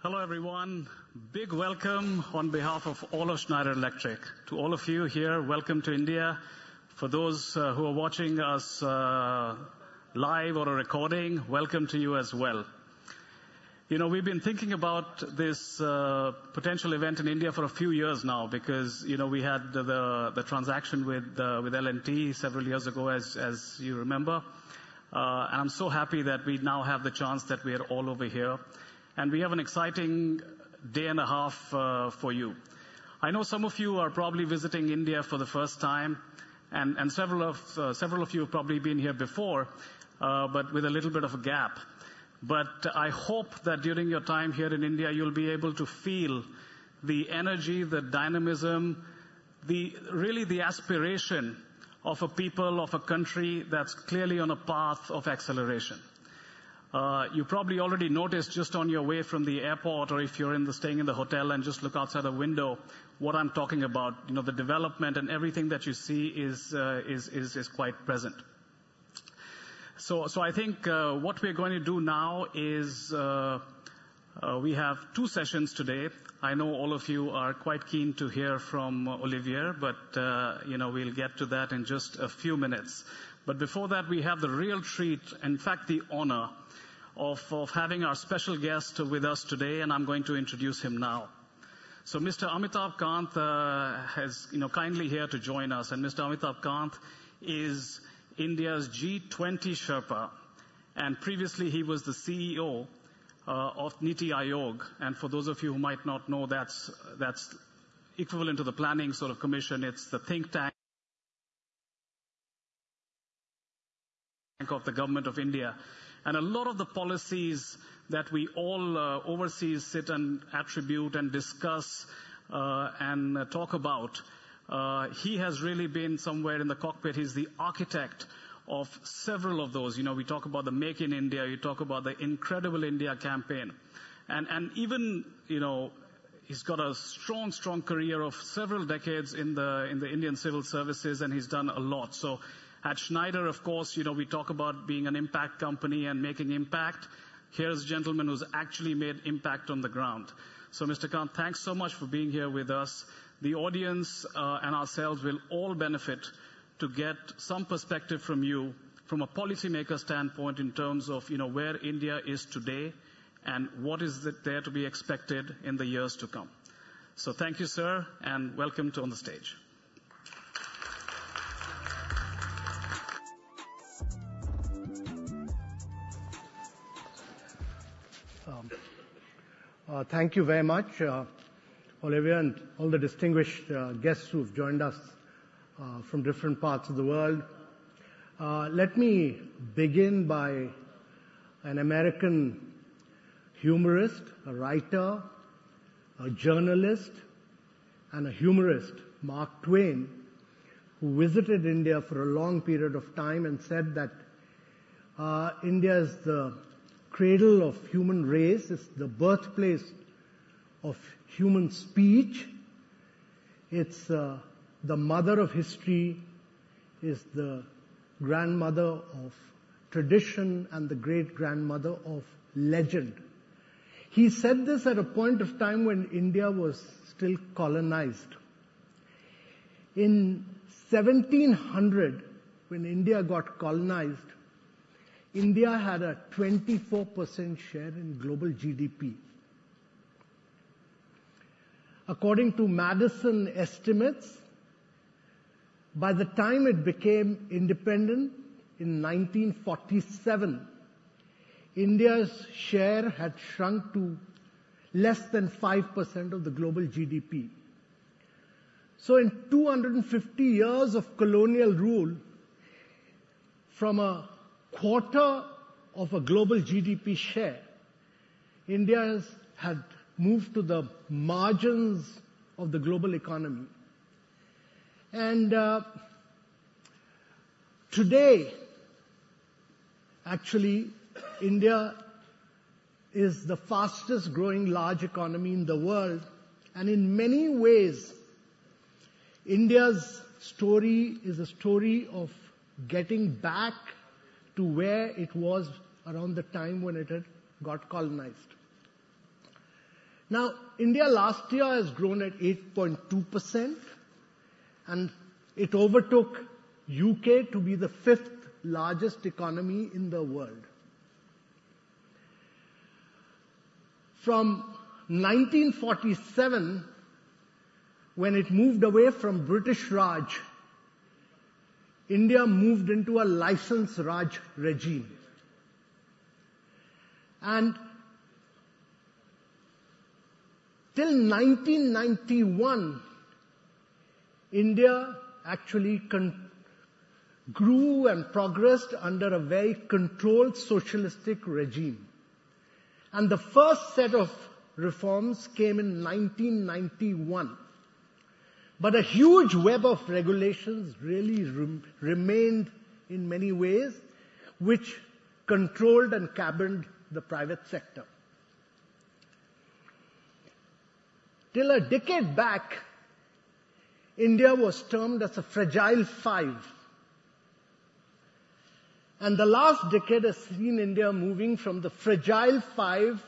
Hello, everyone. Big welcome on behalf of all of Schneider Electric to all of you here. Welcome to India. For those who are watching us live or recording, welcome to you as well. We've been thinking about this potential event in India for a few years now because we had the transaction with L&T several years ago, as you remember, and I'm so happy that we now have the chance that we are all over here, and we have an exciting day and a half for you. I know some of you are probably visiting India for the first time, and several of you have probably been here before, but with a little bit of a gap. But I hope that during your time here in India, you'll be able to feel the energy, the dynamism, really the aspiration of a people, of a country that's clearly on a path of acceleration. You probably already noticed just on your way from the airport or if you're staying in the hotel and just look outside the window what I'm talking about. The development and everything that you see is quite present. So I think what we're going to do now is we have two sessions today. I know all of you are quite keen to hear from Olivier, but we'll get to that in just a few minutes. But before that, we have the real treat, in fact, the honor of having our special guest with us today, and I'm going to introduce him now. So Mr. Amitabh Kant is kindly here to join us. And Mr. Amitabh Kant is India's G20 Sherpa. And previously, he was the CEO of NITI Aayog. And for those of you who might not know, that's equivalent to the Planning Commission. It's the think tank of the Government of India. And a lot of the policies that we all overseas sit and attribute and discuss and talk about, he has really been somewhere in the cockpit. He's the architect of several of those. We talk about the Make in India. You talk about the Incredible India campaign. And even he's got a strong, strong career of several decades in the Indian civil services, and he's done a lot. So at Schneider, of course, we talk about being an Impact Company and making impact. Here's a gentleman who's actually made impact on the ground. So Mr. Kant, thanks so much for being here with us. The audience and ourselves will all benefit to get some perspective from you from a policymaker standpoint in terms of where India is today and what is there to be expected in the years to come. So thank you, sir, and welcome onto the stage. Thank you very much, Olivier, and all the distinguished guests who've joined us from different parts of the world. Let me begin by an American humorist, a writer, a journalist, and a humorist, Mark Twain, who visited India for a long period of time and said that India is the cradle of human race, is the birthplace of human speech. It's the mother of history, is the grandmother of tradition, and the great-grandmother of legend. He said this at a point of time when India was still colonized. In 1700, when India got colonized, India had a 24% share in global GDP. According to Maddison estimates, by the time it became independent in 1947, India's share had shrunk to less than 5% of the global GDP. In 250 years of colonial rule, from a quarter of a global GDP share, India had moved to the margins of the global economy. And today, actually, India is the fastest-growing large economy in the world. And in many ways, India's story is a story of getting back to where it was around the time when it had got colonized. Now, India last year has grown at 8.2%, and it overtook the UK to be the fifth largest economy in the world. From 1947, when it moved away from British Raj, India moved into a License Raj regime. And till 1991, India actually grew and progressed under a very controlled socialistic regime. And the first set of reforms came in 1991. But a huge web of regulations really remained in many ways, which controlled and cabined the private sector. Till a decade back, India was termed as a Fragile Five. The last decade has seen India moving from the Fragile Five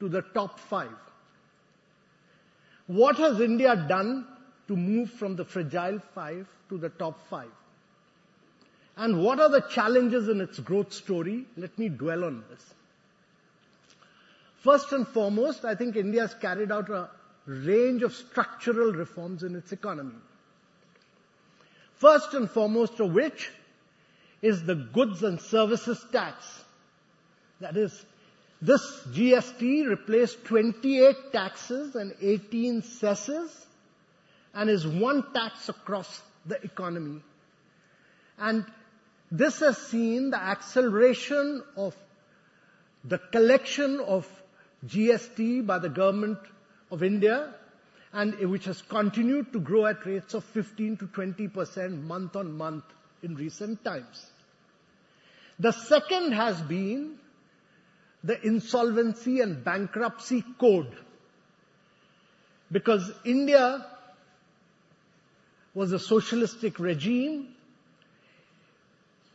to the top five. What has India done to move from the Fragile Five to the top five? What are the challenges in its growth story? Let me dwell on this. First and foremost, I think India has carried out a range of structural reforms in its economy. First and foremost of which is the Goods and Services Tax. That is, this GST replaced 28 taxes and 18 cesses and is one tax across the economy. This has seen the acceleration of the collection of GST by the Government of India, which has continued to grow at rates of 15%-20% month on month in recent times. The second has been the Insolvency and Bankruptcy Code. Because India was a socialistic regime,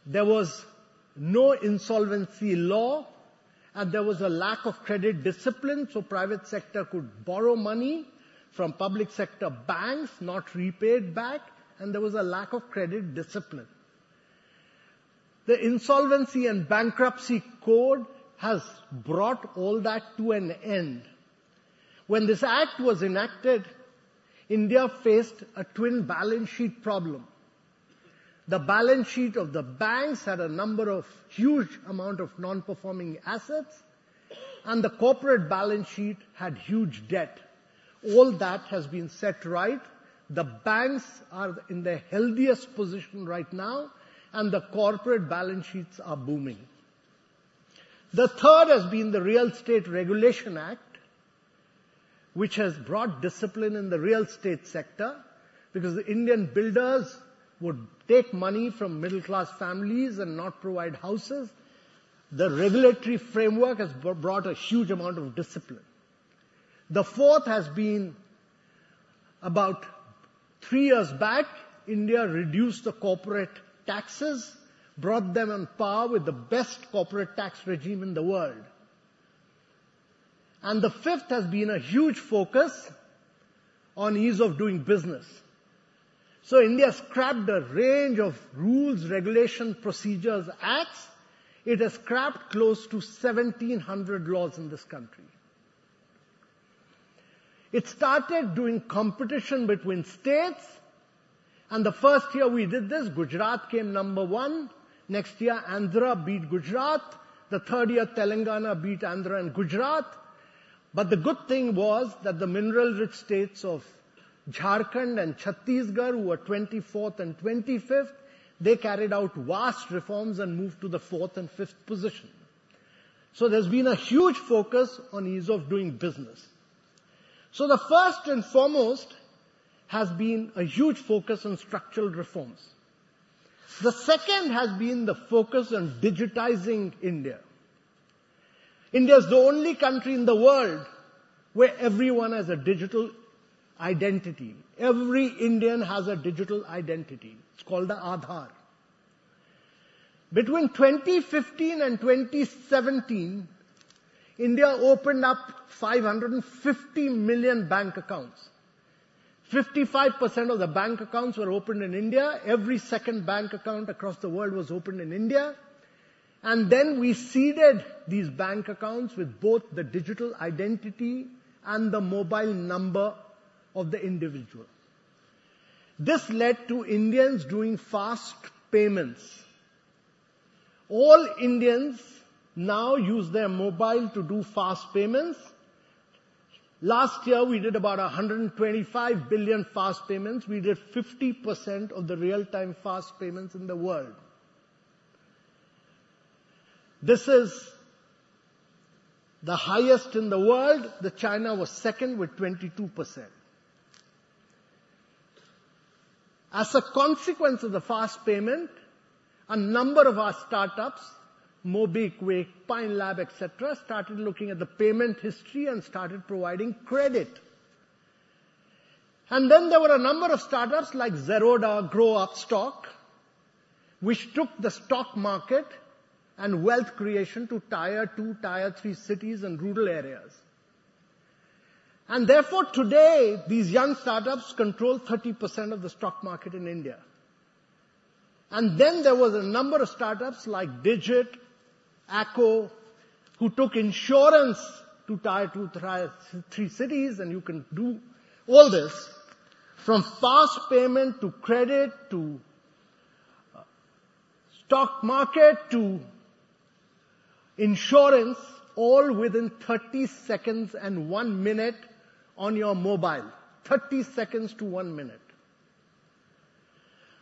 there was no insolvency law, and there was a lack of credit discipline so private sector could borrow money from public sector banks, not repaid back, and there was a lack of credit discipline. The Insolvency and Bankruptcy Code has brought all that to an end. When this act was enacted, India faced a twin balance sheet problem. The balance sheet of the banks had a number of huge amounts of non-performing assets, and the corporate balance sheet had huge debt. All that has been set right. The banks are in the healthiest position right now, and the corporate balance sheets are booming. The third has been the Real Estate Regulation Act, which has brought discipline in the real estate sector because the Indian builders would take money from middle-class families and not provide houses. The regulatory framework has brought a huge amount of discipline. The fourth has been about three years back, India reduced the corporate taxes, brought them on par with the best corporate tax regime in the world. And the fifth has been a huge focus on ease of doing business. So India has scrapped a range of rules, regulation, procedures, acts. It has scrapped close to 1,700 laws in this country. It started doing competition between states. And the first year we did this, Gujarat came number one. Next year, Andhra beat Gujarat. The third year, Telangana beat Andhra and Gujarat. But the good thing was that the mineral-rich states of Jharkhand and Chhattisgarh, who were 24th and 25th, they carried out vast reforms and moved to the fourth and fifth position. So there's been a huge focus on ease of doing business. So the first and foremost has been a huge focus on structural reforms. The second has been the focus on digitizing India. India is the only country in the world where everyone has a digital identity. Every Indian has a digital identity. It's called the Aadhaar. Between 2015 and 2017, India opened up 550 million bank accounts. 55% of the bank accounts were opened in India. Every second bank account across the world was opened in India. And then we seeded these bank accounts with both the digital identity and the mobile number of the individual. This led to Indians doing fast payments. All Indians now use their mobile to do fast payments. Last year, we did about 125 billion fast payments. We did 50% of the real-time fast payments in the world. This is the highest in the world. China was second with 22%. As a consequence of the fast payment, a number of our startups, MobiKwik, Acko, Pine Labs, etc., started looking at the payment history and started providing credit. And then there were a number of startups like Zerodha, Groww, Upstox, which took the stock market and wealth creation to tier two, tier three cities and rural areas. And therefore, today, these young startups control 30% of the stock market in India. And then there was a number of startups like Digit, Acko, who took insurance to tier two, tier three cities. And you can do all this from fast payment to credit to stock market to insurance, all within 30 seconds and one minute on your mobile, 30 seconds to one minute.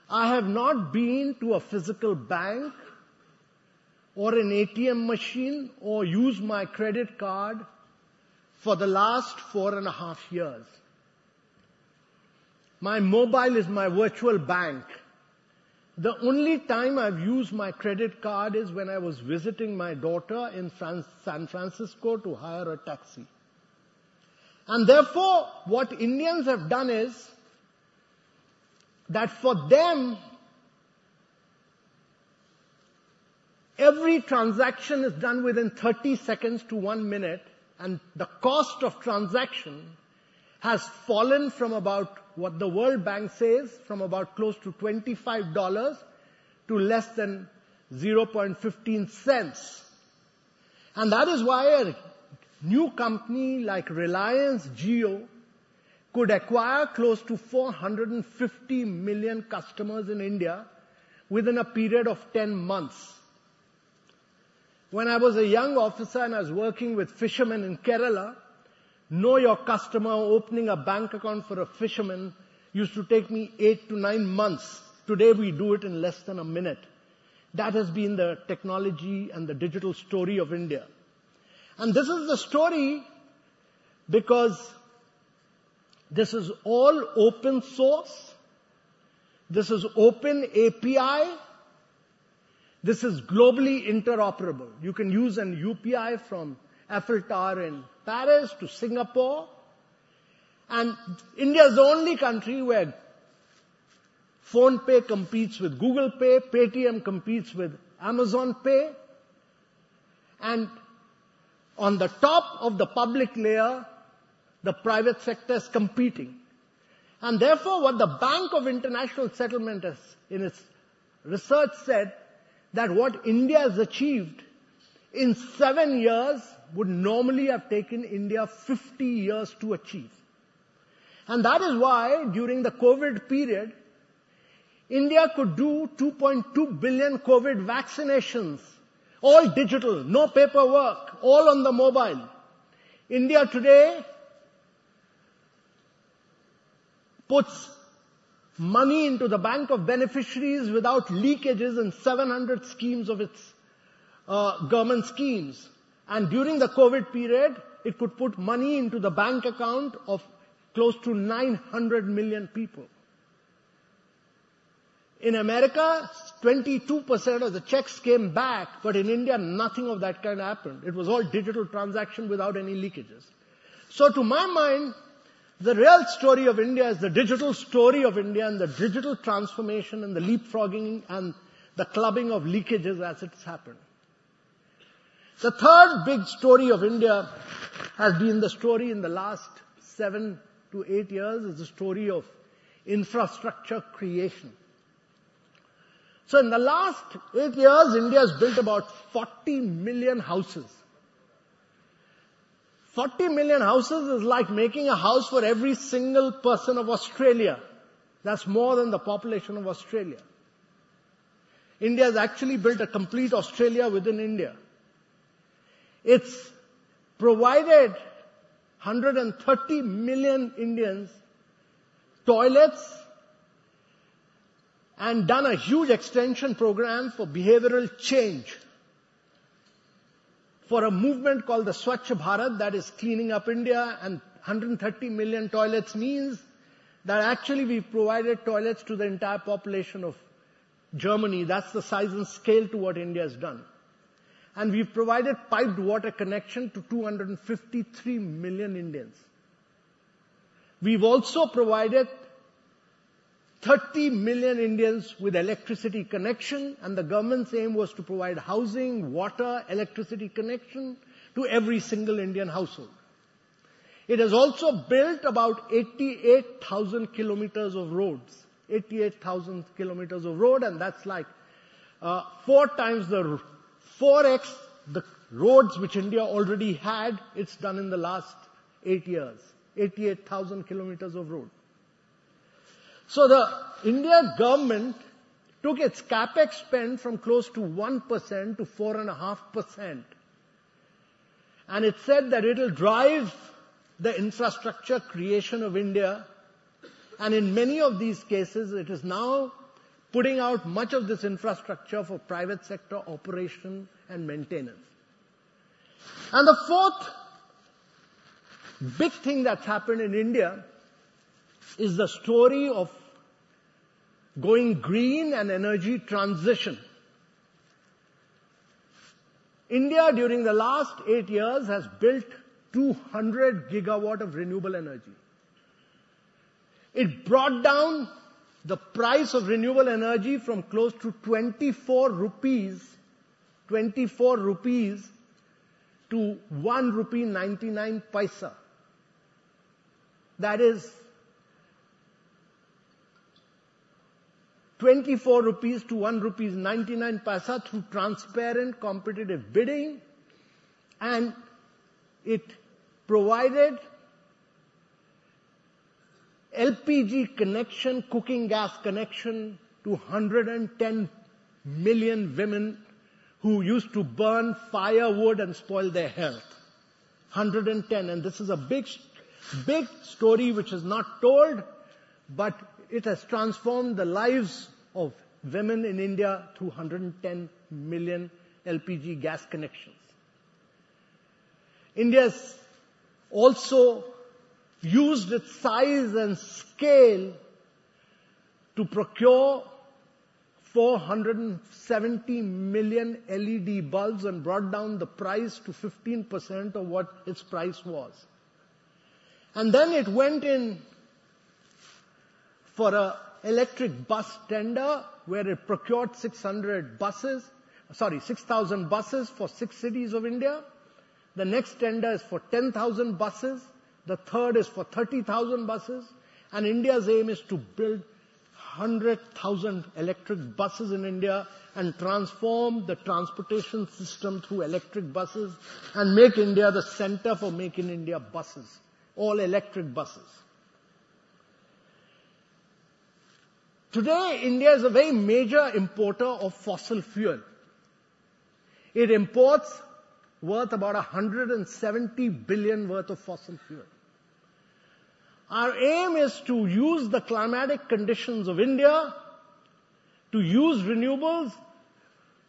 I have not been to a physical bank or an ATM machine or used my credit card for the last four and a half years. My mobile is my virtual bank. The only time I've used my credit card is when I was visiting my daughter in San Francisco to hire a taxi, and therefore, what Indians have done is that for them, every transaction is done within 30 seconds to one minute, and the cost of transaction has fallen from about what the World Bank says, from about close to $25 to less than $0.0015, and that is why a new company like Reliance Jio could acquire close to 450 million customers in India within a period of 10 months. When I was a young officer and I was working with fishermen in Kerala, know your customer opening a bank account for a fisherman used to take me eight to nine months. Today, we do it in less than a minute. That has been the technology and the digital story of India. And this is the story because this is all open source. This is open API. This is globally interoperable. You can use an UPI from Eiffel Tower in Paris to Singapore. And India is the only country where PhonePe competes with Google Pay, Paytm competes with Amazon Pay. And on the top of the public layer, the private sector is competing. And therefore, what the Bank for International Settlements in its research said, that what India has achieved in seven years would normally have taken India 50 years to achieve. And that is why during the COVID period, India could do 2.2 billion COVID vaccinations, all digital, no paperwork, all on the mobile. India today puts money into the bank of beneficiaries without leakages and 700 schemes of its government schemes. And during the COVID period, it could put money into the bank account of close to 900 million people. In America, 22% of the checks came back, but in India, nothing of that kind happened. It was all digital transaction without any leakages. So to my mind, the real story of India is the digital story of India and the digital transformation and the leapfrogging and the clubbing of leakages as it's happened. The third big story of India has been the story in the last seven to eight years is the story of infrastructure creation. So in the last eight years, India has built about 40 million houses. 40 million houses is like making a house for every single person of Australia. That's more than the population of Australia. India has actually built a complete Australia within India. It's provided 130 million Indians toilets and done a huge extension program for behavioral change for a movement called the Swachh Bharat that is cleaning up India. 130 million toilets means that actually we provided toilets to the entire population of Germany. That's the size and scale to what India has done. We've provided piped water connection to 253 million Indians. We've also provided 30 million Indians with electricity connection. The government's aim was to provide housing, water, electricity connection to every single Indian household. It has also built about 88,000 kilometers of roads, and that's like four times the roads which India already had. It's done in the last eight years. The Indian government took its CapEx spend from close to 1%-4.5%. It said that it'll drive the infrastructure creation of India. In many of these cases, it is now putting out much of this infrastructure for private sector operation and maintenance. The fourth big thing that's happened in India is the story of going green and energy transition. India, during the last eight years, has built 200 gigawatts of renewable energy. It brought down the price of renewable energy from close to 24 rupees, 24-1.99 rupees. That is 24-1.99 through transparent competitive bidding. It provided LPG connection, cooking gas connection to 110 million women who used to burn firewood and spoil their health, 110. This is a big story which is not told, but it has transformed the lives of women in India through 110 million LPG gas connections. India has also used its size and scale to procure 470 million LED bulbs and brought down the price to 15% of what its price was. Then it went in for an electric bus tender where it procured 600 buses, sorry, 6,000 buses for six cities of India. The next tender is for 10,000 buses. The third is for 30,000 buses. India's aim is to build 100,000 electric buses in India and transform the transportation system through electric buses and make India the center for making India buses, all electric buses. Today, India is a very major importer of fossil fuel. It imports worth about $170 billion worth of fossil fuel. Our aim is to use the climatic conditions of India to use renewables,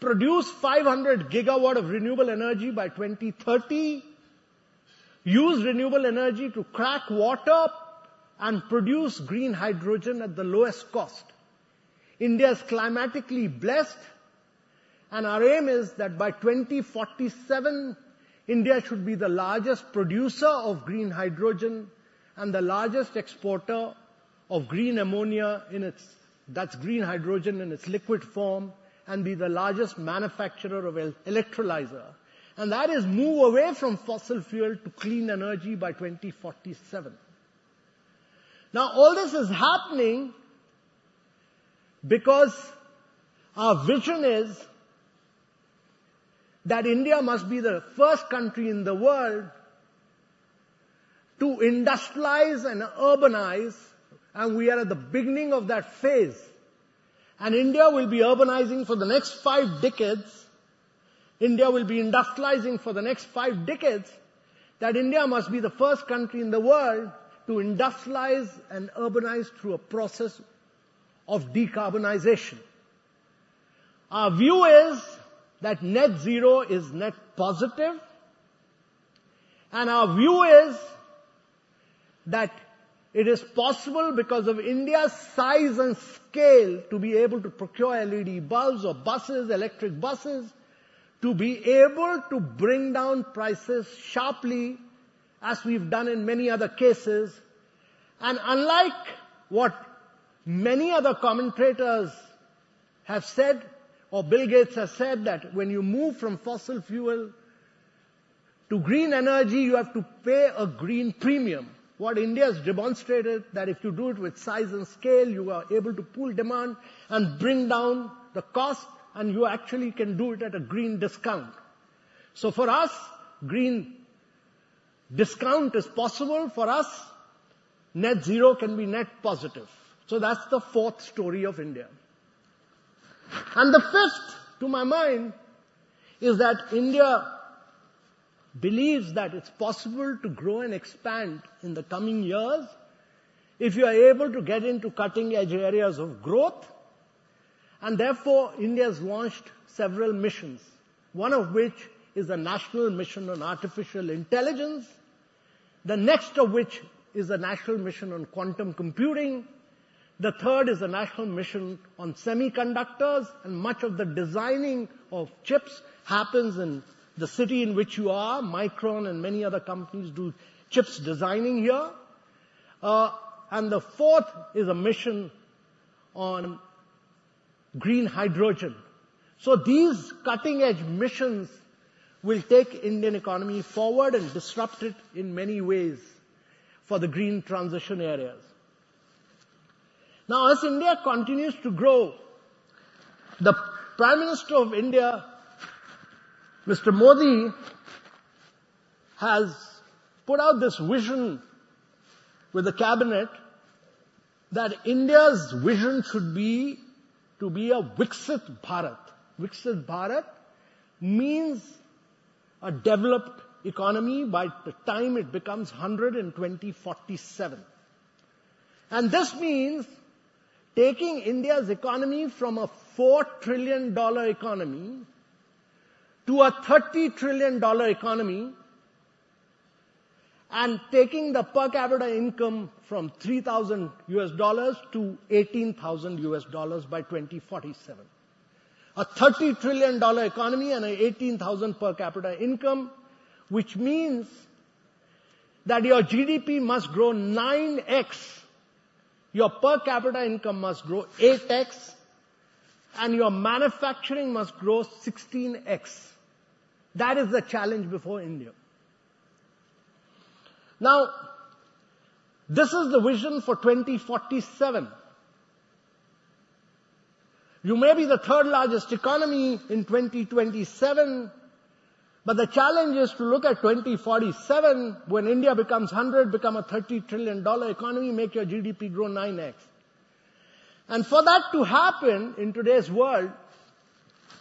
produce 500 gigawatts of renewable energy by 2030, use renewable energy to crack water and produce green hydrogen at the lowest cost. India is climatically blessed. Our aim is that by 2047, India should be the largest producer of green hydrogen and the largest exporter of green ammonia in its liquid form and be the largest manufacturer of electrolyzer. And that is to move away from fossil fuel to clean energy by 2047. Now, all this is happening because our vision is that India must be the first country in the world to industrialize and urbanize. And we are at the beginning of that phase. And India will be urbanizing for the next five decades. India will be industrializing for the next five decades. That India must be the first country in the world to industrialize and urbanize through a process of decarbonization. Our view is that Net Zero is net positive. Our view is that it is possible because of India's size and scale to be able to procure LED bulbs or buses, electric buses, to be able to bring down prices sharply as we've done in many other cases. Unlike what many other commentators have said or Bill Gates has said, that when you move from fossil fuel to green energy, you have to pay a green premium. What India has demonstrated is that if you do it with size and scale, you are able to pull demand and bring down the cost, and you actually can do it at a green discount. So for us, green discount is possible. For us, net zero can be net positive. That's the fourth story of India. And the fifth to my mind is that India believes that it's possible to grow and expand in the coming years if you are able to get into cutting-edge areas of growth. And therefore, India has launched several missions, one of which is a National Mission on Artificial Intelligence, the next of which is a National Mission on Quantum Computing. The third is a National Mission on Semiconductors. And much of the designing of chips happens in the city in which you are. Micron and many other companies do chips designing here. And the fourth is a Mission on Green Hydrogen. So these cutting-edge missions will take Indian economy forward and disrupt it in many ways for the green transition areas. Now, as India continues to grow, the Prime Minister of India, Mr. Modi has put out this vision with the cabinet that India's vision should be to be a Viksit Bharat. Viksit Bharat means a developed economy by the time it becomes 100 in 2047. This means taking India's economy from a $4 trillion economy to a $30 trillion economy and taking the per capita income from $3,000 to $18,000 by 2047. A $30 trillion economy and an $18,000 per capita income, which means that your GDP must grow 9X, your per capita income must grow 8X, and your manufacturing must grow 16X. That is the challenge before India. This is the vision for 2047. You may be the third largest economy in 2027, but the challenge is to look at 2047 when India becomes 100, become a $30 trillion economy, make your GDP grow 9X. For that to happen in today's world,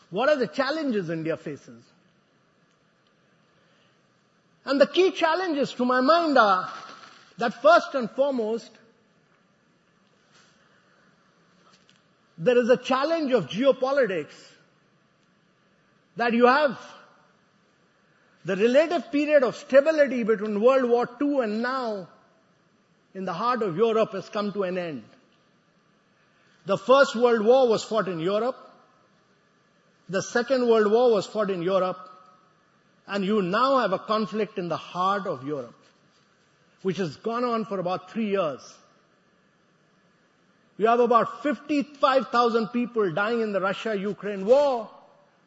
what are the challenges India faces? And the key challenges to my mind are that first and foremost, there is a challenge of geopolitics that you have the relative period of stability between World War II and now in the heart of Europe has come to an end. The First World War was fought in Europe. The Second World War was fought in Europe. And you now have a conflict in the heart of Europe, which has gone on for about three years. You have about 55,000 people dying in the Russia-Ukraine war,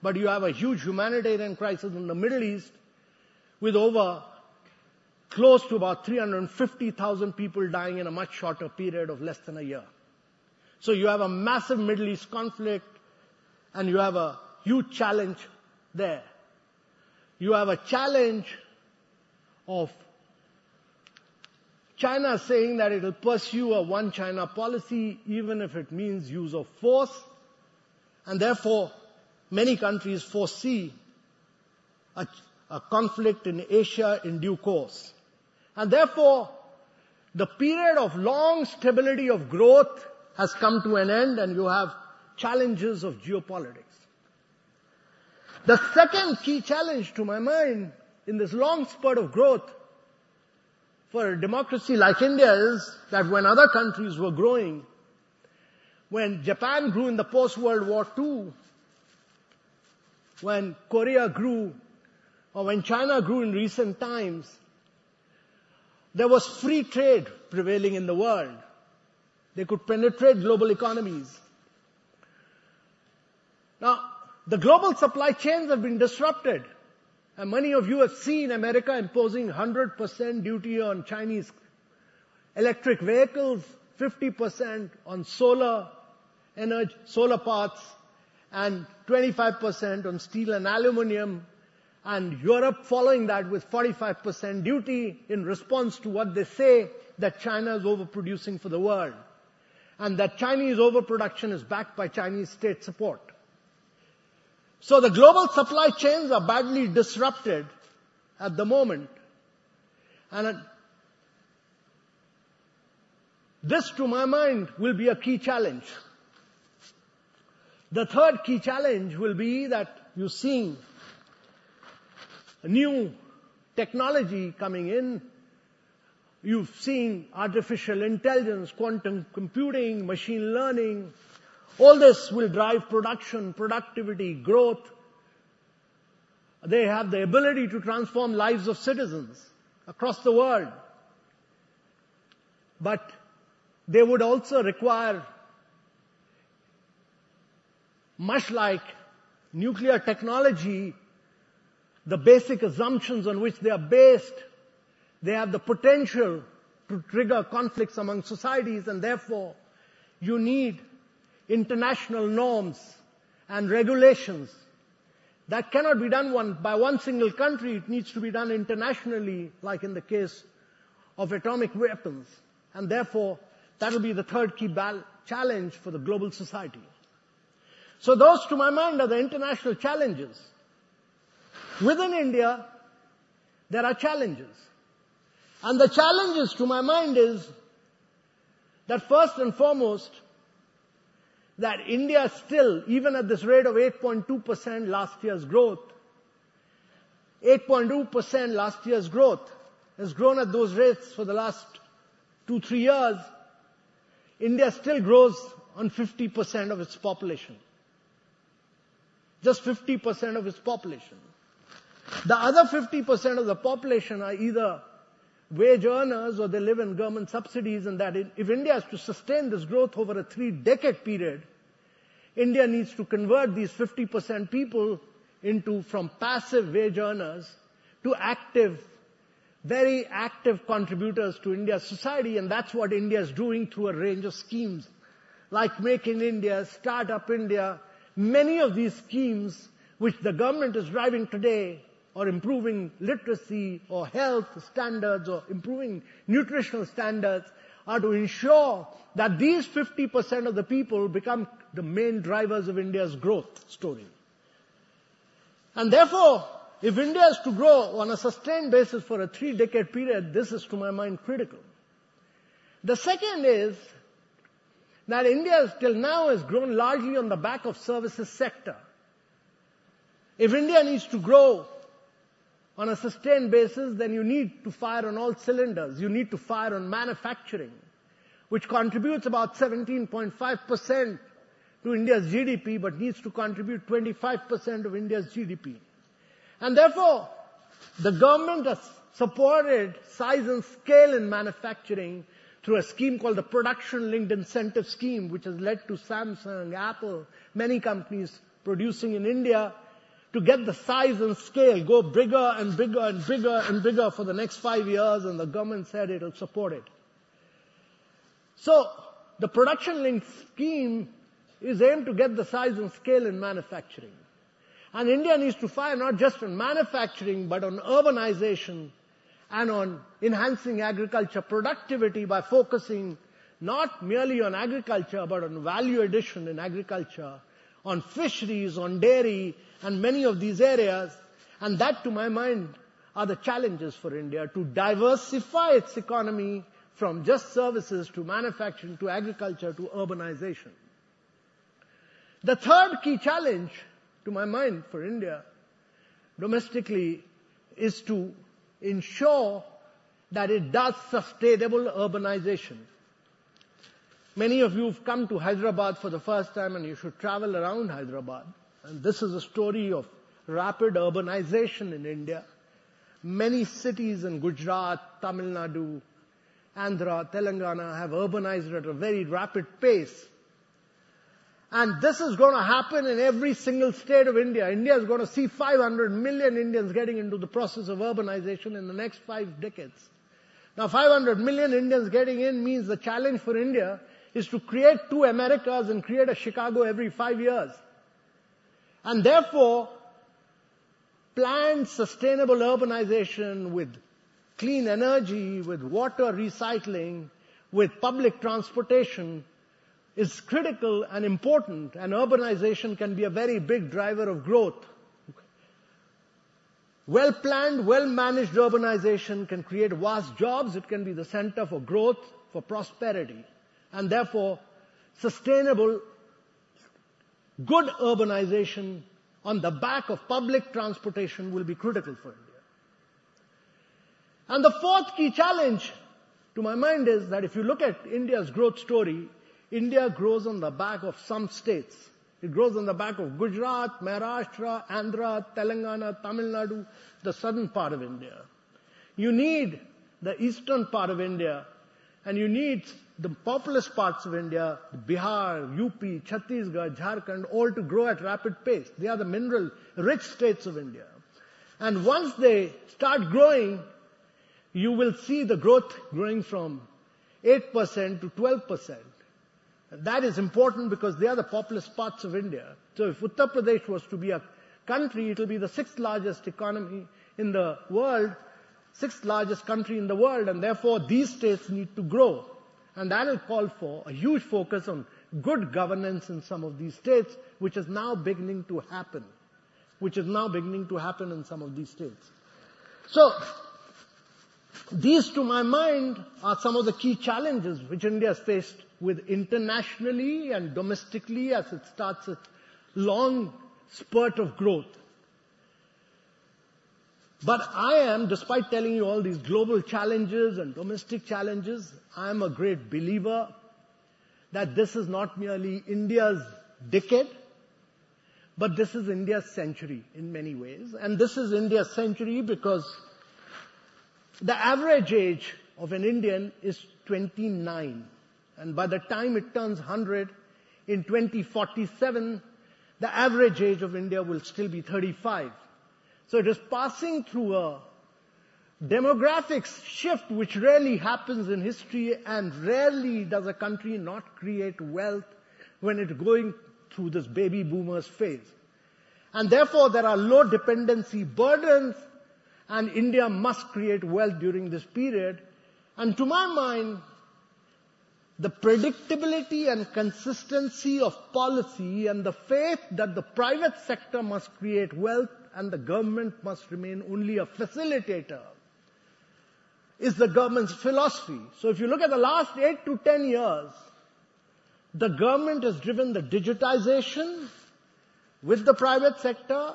but you have a huge humanitarian crisis in the Middle East with over close to about 350,000 people dying in a much shorter period of less than a year. So you have a massive Middle East conflict, and you have a huge challenge there. You have a challenge of China saying that it will pursue a One China policy, even if it means use of force. And therefore, many countries foresee a conflict in Asia in due course. And therefore, the period of long stability of growth has come to an end, and you have challenges of geopolitics. The second key challenge to my mind in this long spurt of growth for a democracy like India is that when other countries were growing, when Japan grew in the post-World War II, when Korea grew, or when China grew in recent times, there was free trade prevailing in the world. They could penetrate global economies. Now, the global supply chains have been disrupted. And many of you have seen America imposing 100% duty on Chinese electric vehicles, 50% on solar energy, solar parts, and 25% on steel and aluminum. And Europe, following that, with 45% duty in response to what they say, that China is overproducing for the world and that Chinese overproduction is backed by Chinese state support. So the global supply chains are badly disrupted at the moment. And this, to my mind, will be a key challenge. The third key challenge will be that you're seeing new technology coming in. You've seen artificial intelligence, quantum computing, machine learning. All this will drive production, productivity, growth. They have the ability to transform lives of citizens across the world. But they would also require, much like nuclear technology, the basic assumptions on which they are based. They have the potential to trigger conflicts among societies. And therefore, you need International norms and regulations that cannot be done by one single country. It needs to be done internationally, like in the case of atomic weapons. Therefore, that will be the third key challenge for the global society. Those, to my mind, are the International challenges. Within India, there are challenges. The challenges, to my mind, is that first and foremost, that India still, even at this rate of 8.2% last year's growth, 8.2% last year's growth has grown at those rates for the last two, three years. India still grows on 50% of its population, just 50% of its population. The other 50% of the population are either wage earners or they live on government subsidies. That if India is to sustain this growth over a three-decade period, India needs to convert these 50% people from passive wage earners to active, very active contributors to India's society. That's what India is doing through a range of schemes like Make in India, Startup India. Many of these schemes, which the government is driving today, or improving literacy or health standards, or improving nutritional standards, are to ensure that these 50% of the people become the main drivers of India's growth story. And therefore, if India is to grow on a sustained basis for a three-decade period, this is, to my mind, critical. The second is that India still now has grown largely on the back of the services sector. If India needs to grow on a sustained basis, then you need to fire on all cylinders. You need to fire on manufacturing, which contributes about 17.5% to India's GDP but needs to contribute 25% of India's GDP. And therefore, the government has supported size and scale in manufacturing through a scheme called the Production-Linked Incentive Scheme, which has led to Samsung, Apple, many companies producing in India to get the size and scale, go bigger and bigger and bigger and bigger for the next five years. And the government said it'll support it. So the Production-Linked Scheme is aimed to get the size and scale in manufacturing. And India needs to fire not just on manufacturing but on urbanization and on enhancing agriculture productivity by focusing not merely on agriculture but on value addition in agriculture, on fisheries, on dairy, and many of these areas. And that, to my mind, are the challenges for India to diversify its economy from just services to manufacturing to agriculture to urbanization. The third key challenge, to my mind, for India domestically is to ensure that it does sustainable urbanization. Many of you have come to Hyderabad for the first time, and you should travel around Hyderabad. And this is a story of rapid urbanization in India. Many cities in Gujarat, Tamil Nadu, Andhra, Telangana have urbanized at a very rapid pace. And this is going to happen in every single state of India. India is going to see 500 million Indians getting into the process of urbanization in the next five decades. Now, 500 million Indians getting in means the challenge for India is to create two Americas and create a Chicago every five years. And therefore, planned sustainable urbanization with clean energy, with water recycling, with public transportation is critical and important. And urbanization can be a very big driver of growth. Well-planned, well-managed urbanization can create vast jobs. It can be the center for growth, for prosperity. Therefore, sustainable, good urbanization on the back of public transportation will be critical for India. The fourth key challenge, to my mind, is that if you look at India's growth story, India grows on the back of some states. It grows on the back of Gujarat, Maharashtra, Andhra, Telangana, Tamil Nadu, the southern part of India. You need the eastern part of India, and you need the populous parts of India, Bihar, UP, Chhattisgarh, Jharkhand, all to grow at rapid pace. They are the mineral-rich states of India. Once they start growing, you will see the growth growing from 8%-12%. That is important because they are the populous parts of India. If Uttar Pradesh was to be a country, it'll be the sixth largest economy in the world, sixth largest country in the world. Therefore, these states need to grow. That'll call for a huge focus on good governance in some of these states, which is now beginning to happen in some of these states. These, to my mind, are some of the key challenges which India has faced Internationally and domestically as it starts its long spurt of growth. I am, despite telling you all these global challenges and domestic challenges, a great believer that this is not merely India's decade, but this is India's century in many ways. This is India's century because the average age of an Indian is 29. By the time it turns 100 in 2047, the average age of India will still be 35. It is passing through a demographic shift which rarely happens in history, and rarely does a country not create wealth when it's going through this baby boomers phase. Therefore, there are low dependency burdens, and India must create wealth during this period. To my mind, the predictability and consistency of policy and the faith that the private sector must create wealth and the government must remain only a facilitator is the government's philosophy. If you look at the last eight to 10 years, the government has driven the digitization with the private sector.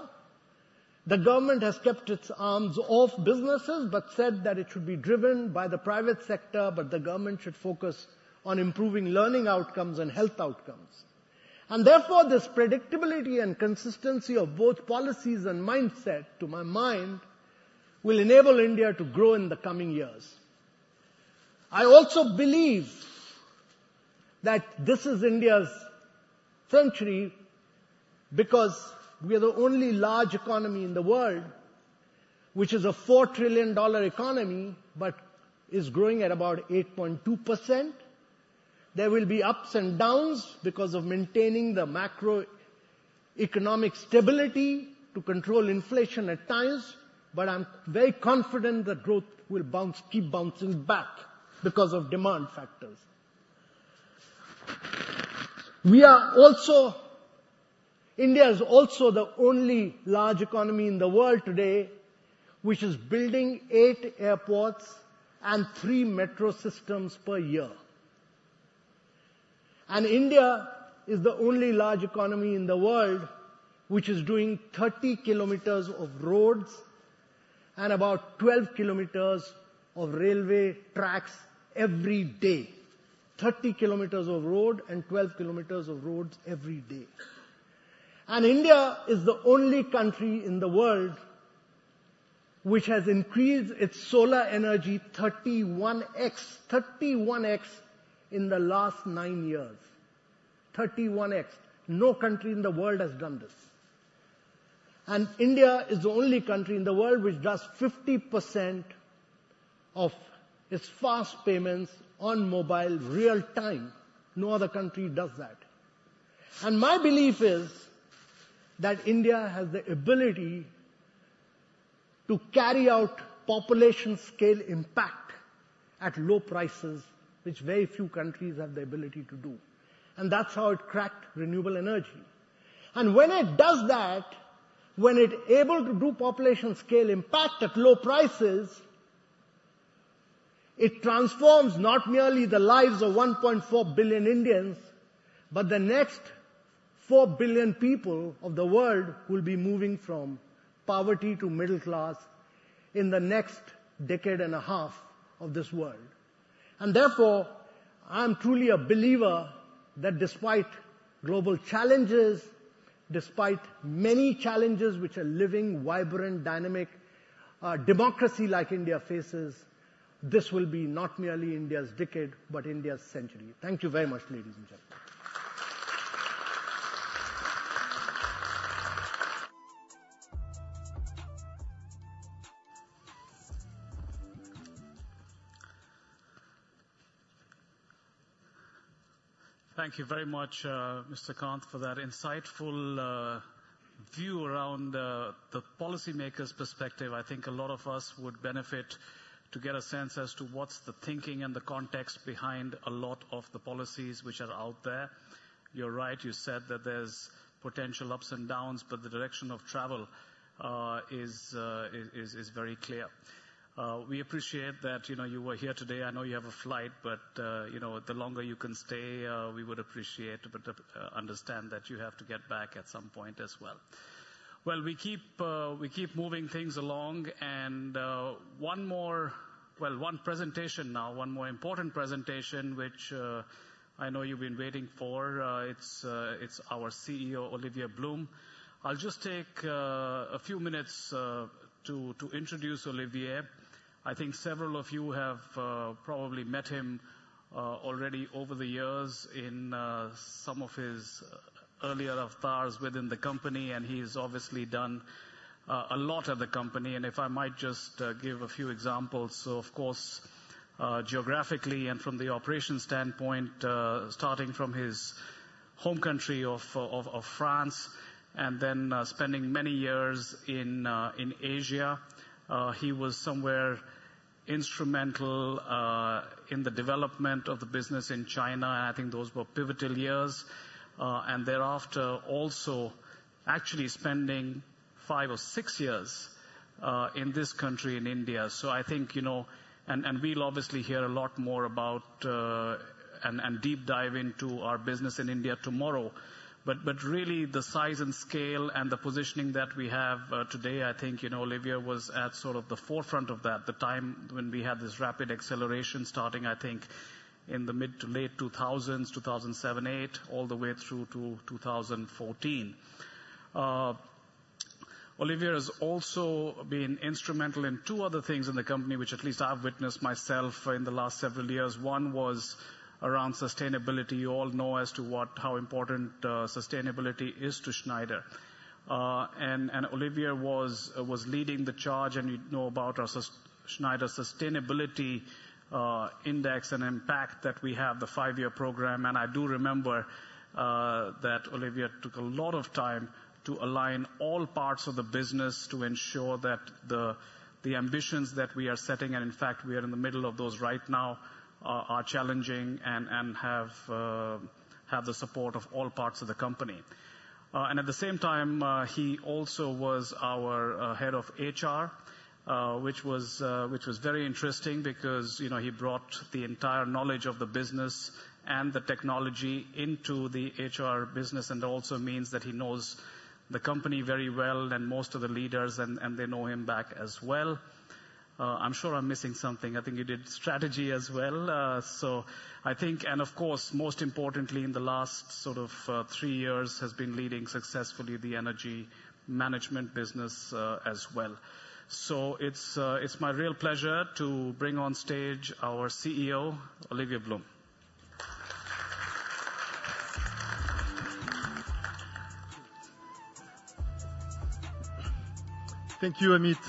The government has kept its hands off businesses but said that it should be driven by the private sector, but the government should focus on improving learning outcomes and health outcomes. Therefore, this predictability and consistency of both policies and mindset, to my mind, will enable India to grow in the coming years. I also believe that this is India's century because we are the only large economy in the world, which is a $4 trillion economy but is growing at about 8.2%. There will be ups and downs because of maintaining the macroeconomic stability to control inflation at times. But I'm very confident that growth will keep bouncing back because of demand factors. India is also the only large economy in the world today which is building eight airports and three metro systems per year. And India is the only large economy in the world which is doing 30 kilometers of roads and about 12 kilometers of railway tracks every day. And India is the only country in the world which has increased its solar energy 31x, 31x in the last nine years, 31x. No country in the world has done this. And India is the only country in the world which does 50% of its fast payments on mobile real-time. No other country does that. And my belief is that India has the ability to carry out population-scale impact at low prices, which very few countries have the ability to do. And that's how it cracked renewable energy. And when it does that, when it's able to do population-scale impact at low prices, it transforms not merely the lives of 1.4 billion Indians, but the next 4 billion people of the world who will be moving from poverty to middle class in the next decade and a half of this world. Therefore, I'm truly a believer that despite global challenges, despite many challenges which a living, vibrant, dynamic democracy like India faces, this will be not merely India's decade but India's century. Thank you very much, ladies and gentlemen. Thank you very much, Mr. Kant, for that insightful view around the policymakers' perspective. I think a lot of us would benefit to get a sense as to what's the thinking and the context behind a lot of the policies which are out there. You're right. You said that there's potential ups and downs, but the direction of travel is very clear. We appreciate that you were here today. I know you have a flight, but the longer you can stay, we would appreciate it, but understand that you have to get back at some point as well. We keep moving things along. One more, well, one presentation now, one more important presentation, which I know you've been waiting for. It's our CEO, Olivier Blum. I'll just take a few minutes to introduce Olivier. I think several of you have probably met him already over the years in some of his earlier affairs within the company. He's obviously done a lot at the company. If I might just give a few examples. Of course, geographically and from the operations standpoint, starting from his home country of France, and then spending many years in Asia, he was somewhere instrumental in the development of the business in China. I think those were pivotal years. Thereafter, also actually spending five or six years in this country in India. We'll obviously hear a lot more about and deep dive into our business in India tomorrow. But really, the size and scale and the positioning that we have today, I think Olivier was at sort of the forefront of that, the time when we had this rapid acceleration starting, I think, in the mid to late 2000s, 2007, 2008, all the way through to 2014. Olivier has also been instrumental in two other things in the company, which at least I've witnessed myself in the last several years. One was around sustainability. You all know as to how important sustainability is to Schneider. And Olivier was leading the charge. And you know about our Schneider Sustainability Index and impact that we have, the five-year program. I do remember that Olivier took a lot of time to align all parts of the business to ensure that the ambitions that we are setting, and in fact, we are in the middle of those right now, are challenging and have the support of all parts of the company. At the same time, he also was our head of HR, which was very interesting because he brought the entire knowledge of the business and the technology into the HR business. It also means that he knows the company very well and most of the leaders, and they know him back as well. I'm sure I'm missing something. I think you did strategy as well. I think, and of course, most importantly, in the last sort of three years, has been leading successfully the energy management business as well. So it's my real pleasure to bring on stage our CEO, Olivier Blum. Thank you, Amit.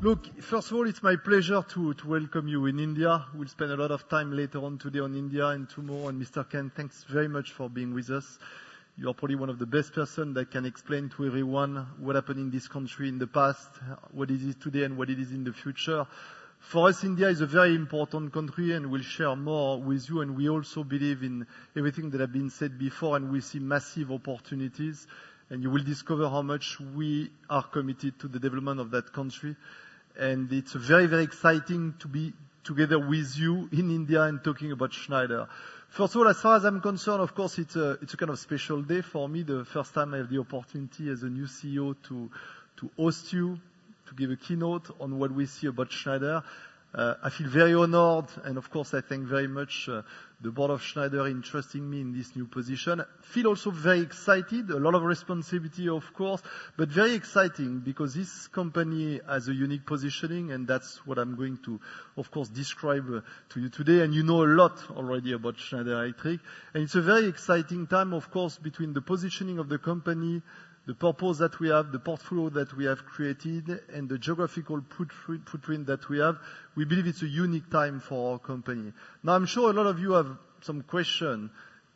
Look, first of all, it's my pleasure to welcome you in India. We'll spend a lot of time later on today on India and tomorrow on Mr. Kant. Thanks very much for being with us. You are probably one of the best persons that can explain to everyone what happened in this country in the past, what it is today, and what it is in the future. For us, India is a very important country, and we'll share more with you. And we also believe in everything that has been said before, and we see massive opportunities. And you will discover how much we are committed to the development of that country. And it's very, very exciting to be together with you in India and talking about Schneider. First of all, as far as I'm concerned, of course, it's a kind of special day for me, the first time I have the opportunity as a new CEO to host you, to give a keynote on what we see about Schneider. I feel very honored. And of course, I thank very much the board of Schneider in trusting me in this new position. I feel also very excited, a lot of responsibility, of course, but very exciting because this company has a unique positioning. And that's what I'm going to, of course, describe to you today. And you know a lot already about Schneider Electric. And it's a very exciting time, of course, between the positioning of the company, the purpose that we have, the portfolio that we have created, and the geographical footprint that we have. We believe it's a unique time for our company. Now, I'm sure a lot of you have some questions.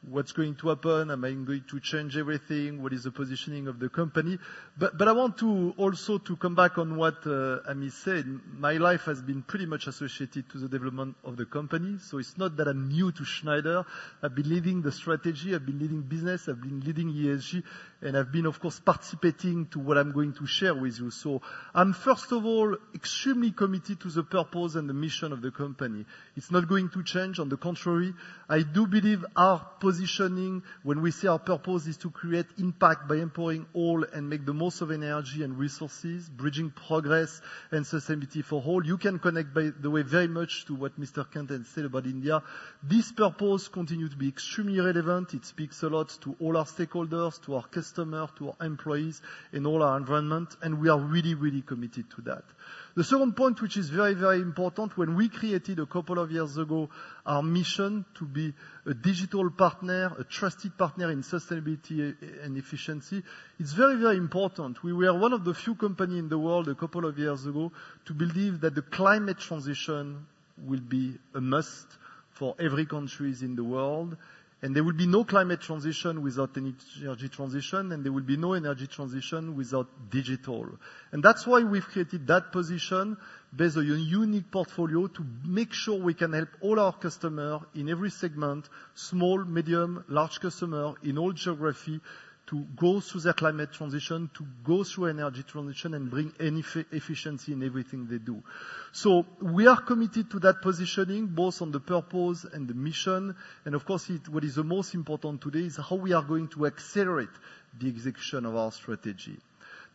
What's going to happen? Am I going to change everything? What is the positioning of the company? But I want to also come back on what Amit said. My life has been pretty much associated to the development of the company. So it's not that I'm new to Schneider. I've been leading the strategy. I've been leading business. I've been leading ESG. And I've been, of course, participating to what I'm going to share with you. So I'm, first of all, extremely committed to the purpose and the mission of the company. It's not going to change. On the contrary, I do believe our positioning, when we say our purpose, is to create impact by empowering all and make the most of energy and resources, bridging progress and sustainability for all. You can connect, by the way, very much to what Mr. Kant had said about India. This purpose continues to be extremely relevant. It speaks a lot to all our stakeholders, to our customers, to our employees, and all our environment. We are really, really committed to that. The second point, which is very, very important, when we created a couple of years ago our mission to be a digital partner, a trusted partner in sustainability and efficiency, it's very, very important. We were one of the few companies in the world a couple of years ago to believe that the climate transition will be a must for every country in the world. There will be no climate transition without energy transition, and there will be no energy transition without digital. And that's why we've created that position, built a unique portfolio to make sure we can help all our customers in every segment, small, medium, large customers in all geographies, to go through their climate transition, to go through energy transition, and bring efficiency in everything they do. So we are committed to that positioning, both on the purpose and the mission. And of course, what is the most important today is how we are going to accelerate the execution of our strategy.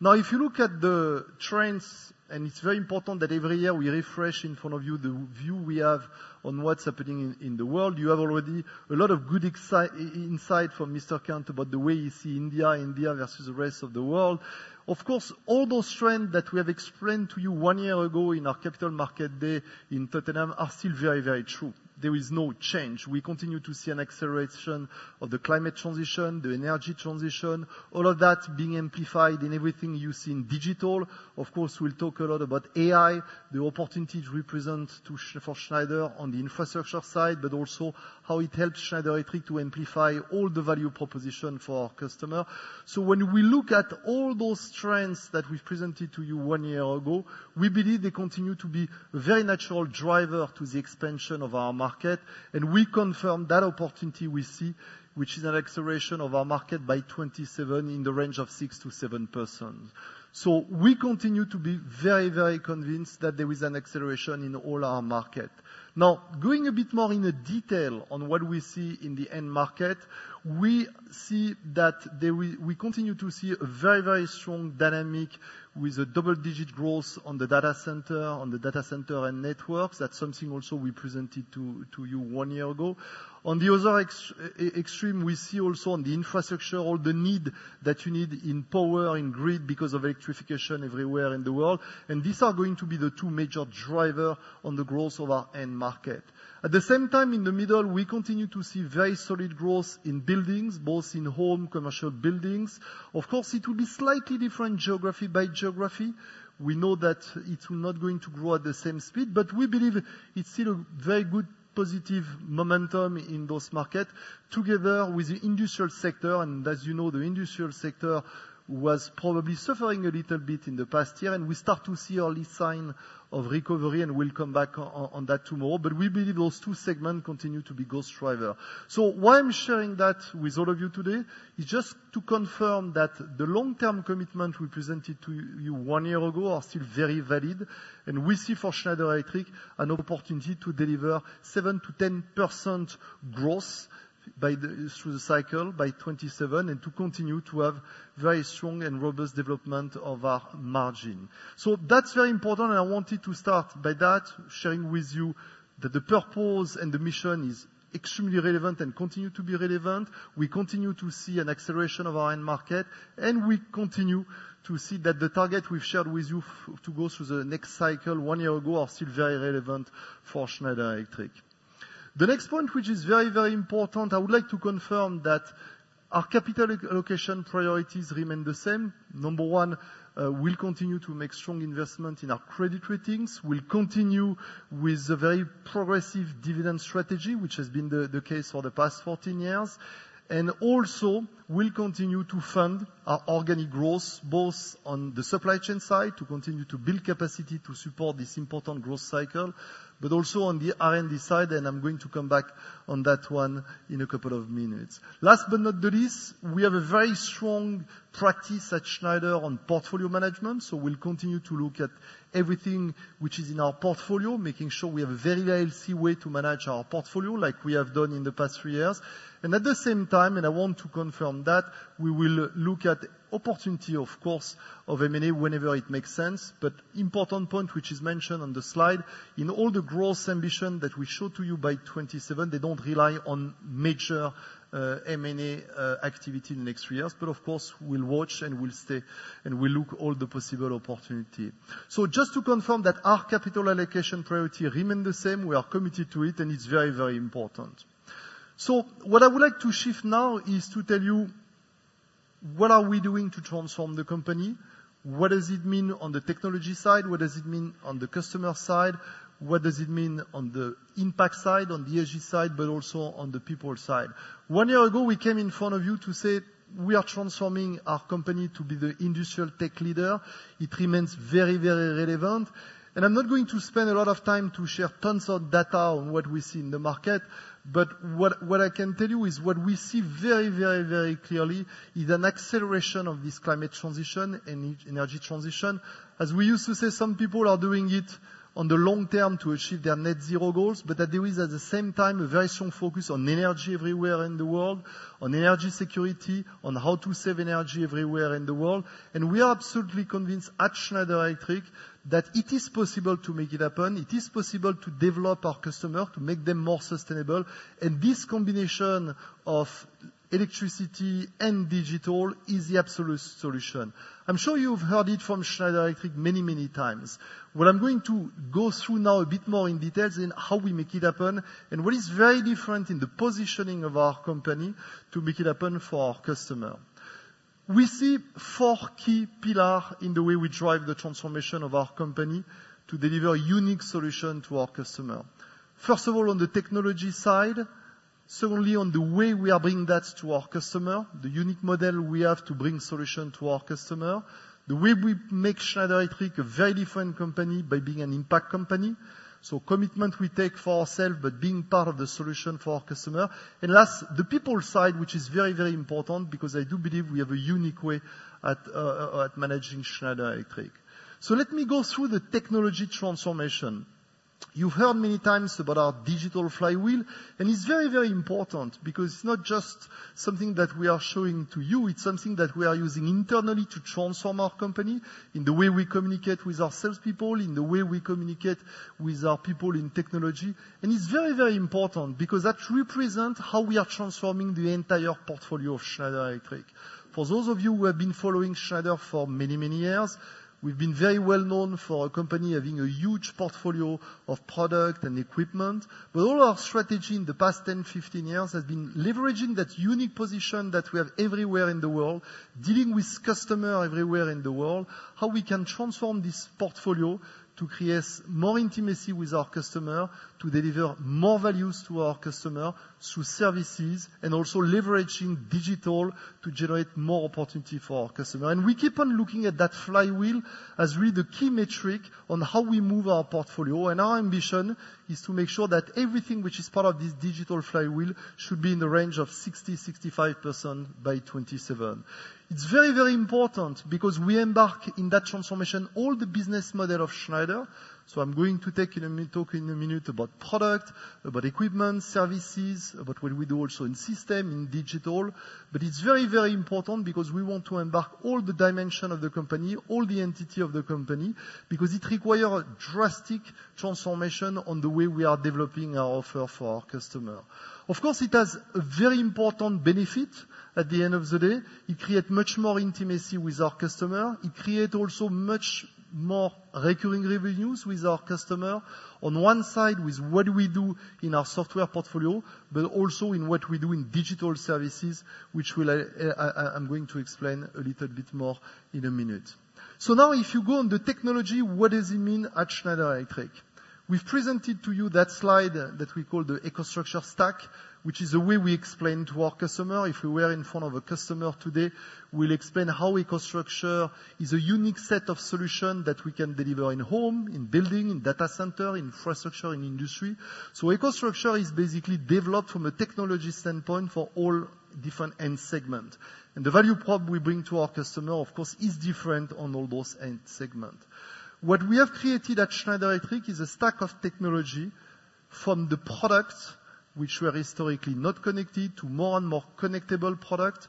Now, if you look at the trends, and it's very important that every year we refresh in front of you the view we have on what's happening in the world. You have already a lot of good insight from Mr. Kant about the way he sees India, India versus the rest of the world. Of course, all those trends that we have explained to you one year ago in our Capital Markets Day in Tottenham are still very, very true. There is no change. We continue to see an acceleration of the climate transition, the energy transition, all of that being amplified in everything you see in digital. Of course, we'll talk a lot about AI, the opportunities we present for Schneider on the infrastructure side, but also how it helps Schneider Electric to amplify all the value proposition for our customers. So when we look at all those trends that we've presented to you one year ago, we believe they continue to be a very natural driver to the expansion of our market. And we confirm that opportunity we see, which is an acceleration of our market by 2027 in the range of 6%-7%. We continue to be very, very convinced that there is an acceleration in all our market. Now, going a bit more in detail on what we see in the end market, we see that we continue to see a very, very strong dynamic with a double-digit growth on the data center, on the data center and networks. That's something also we presented to you one year ago. On the other extreme, we see also on the infrastructure all the need that you need in power, in grid, because of electrification everywhere in the world. These are going to be the two major drivers on the growth of our end market. At the same time, in the middle, we continue to see very solid growth in buildings, both in home, commercial buildings. Of course, it will be slightly different geography by geography. We know that it's not going to grow at the same speed, but we believe it's still a very good positive momentum in those markets together with the industrial sector, and as you know, the industrial sector was probably suffering a little bit in the past year, and we start to see early signs of recovery, and we'll come back on that tomorrow. But we believe those two segments continue to be growth drivers, so why I'm sharing that with all of you today is just to confirm that the long-term commitments we presented to you one year ago are still very valid, and we see for Schneider Electric an opportunity to deliver 7%-10% growth through the cycle by 2027 and to continue to have very strong and robust development of our margin, so that's very important. I wanted to start by that, sharing with you that the purpose and the mission is extremely relevant and continue to be relevant. We continue to see an acceleration of our end market, and we continue to see that the targets we've shared with you to go through the next cycle one year ago are still very relevant for Schneider Electric. The next point, which is very, very important, I would like to confirm that our capital allocation priorities remain the same. Number one, we'll continue to make strong investments in our credit ratings. We'll continue with a very progressive dividend strategy, which has been the case for the past 14 years. Also, we'll continue to fund our organic growth, both on the supply chain side to continue to build capacity to support this important growth cycle, but also on the R&D side. And I'm going to come back on that one in a couple of minutes. Last but not the least, we have a very strong practice at Schneider on portfolio management. So we'll continue to look at everything which is in our portfolio, making sure we have a very disciplined way to manage our portfolio like we have done in the past three years. And at the same time, and I want to confirm that, we will look at opportunities, of course, of M&A whenever it makes sense. But important point, which is mentioned on the slide, in all the growth ambitions that we showed to you by 2027, they don't rely on major M&A activity in the next three years. But of course, we'll watch and we'll stay and we'll look at all the possible opportunities. So just to confirm that our capital allocation priority remains the same. We are committed to it, and it's very, very important. So what I would like to shift now is to tell you what are we doing to transform the company. What does it mean on the technology side? What does it mean on the customer side? What does it mean on the impact side, on the ESG side, but also on the people side? One year ago, we came in front of you to say we are transforming our company to be the Industrial Tech leader. It remains very, very relevant. And I'm not going to spend a lot of time to share tons of data on what we see in the market. But what I can tell you is what we see very, very, very clearly is an acceleration of this climate transition and energy transition. As we used to say, some people are doing it on the long term to achieve their Net Zero goals, but that there is, at the same time, a very strong focus on energy everywhere in the world, on energy security, on how to save energy everywhere in the world. And we are absolutely convinced at Schneider Electric that it is possible to make it happen. It is possible to develop our customers, to make them more sustainable. And this combination of electricity and digital is the absolute solution. I'm sure you've heard it from Schneider Electric many, many times. What I'm going to go through now a bit more in detail is how we make it happen and what is very different in the positioning of our company to make it happen for our customers. We see four key pillars in the way we drive the transformation of our company to deliver a unique solution to our customers. First of all, on the technology side. Secondly, on the way we are bringing that to our customers, the unique model we have to bring solutions to our customers. The way we make Schneider Electric a very different company by being an Impact Company, so commitment we take for ourselves, but being part of the solution for our customers, and last, the people side, which is very, very important because I do believe we have a unique way of managing Schneider Electric, so let me go through the technology transformation. You've heard many times about our Digital Flywheel, and it's very, very important because it's not just something that we are showing to you. It's something that we are using internally to transform our company in the way we communicate with our salespeople, in the way we communicate with our people in technology, and it's very, very important because that represents how we are transforming the entire portfolio of Schneider Electric. For those of you who have been following Schneider for many, many years, we've been very well known for a company having a huge portfolio of product and equipment, but all our strategy in the past 10, 15 years has been leveraging that unique position that we have everywhere in the world, dealing with customers everywhere in the world, how we can transform this portfolio to create more intimacy with our customers, to deliver more value to our customers through services, and also leveraging digital to generate more opportunity for our customers. And we keep on looking at that flywheel as really the key metric on how we move our portfolio. And our ambition is to make sure that everything which is part of this Digital Flywheel should be in the range of 60%-65% by 2027. It's very, very important because we embark in that transformation, all the business model of Schneider Electric. So I'm going to talk in a minute about product, about equipment, services, about what we do also in system, in digital. But it's very, very important because we want to embark all the dimensions of the company, all the entity of the company, because it requires a drastic transformation on the way we are developing our offer for our customers. Of course, it has a very important benefit at the end of the day. It creates much more intimacy with our customers. It creates also much more recurring revenues with our customers on one side with what we do in our software portfolio, but also in what we do in digital services, which I'm going to explain a little bit more in a minute, so now, if you go on the technology, what does it mean at Schneider Electric? We've presented to you that slide that we call the EcoStruxure stack, which is the way we explain to our customers. If we were in front of a customer today, we'll explain how EcoStruxure is a unique set of solutions that we can deliver in home, in building, in data center, infrastructure, in industry, so EcoStruxure is basically developed from a technology standpoint for all different end segments, and the value prop we bring to our customers, of course, is different on all those end segments. What we have created at Schneider Electric is a stack of technology from the products, which were historically not connected, to more and more connectable products,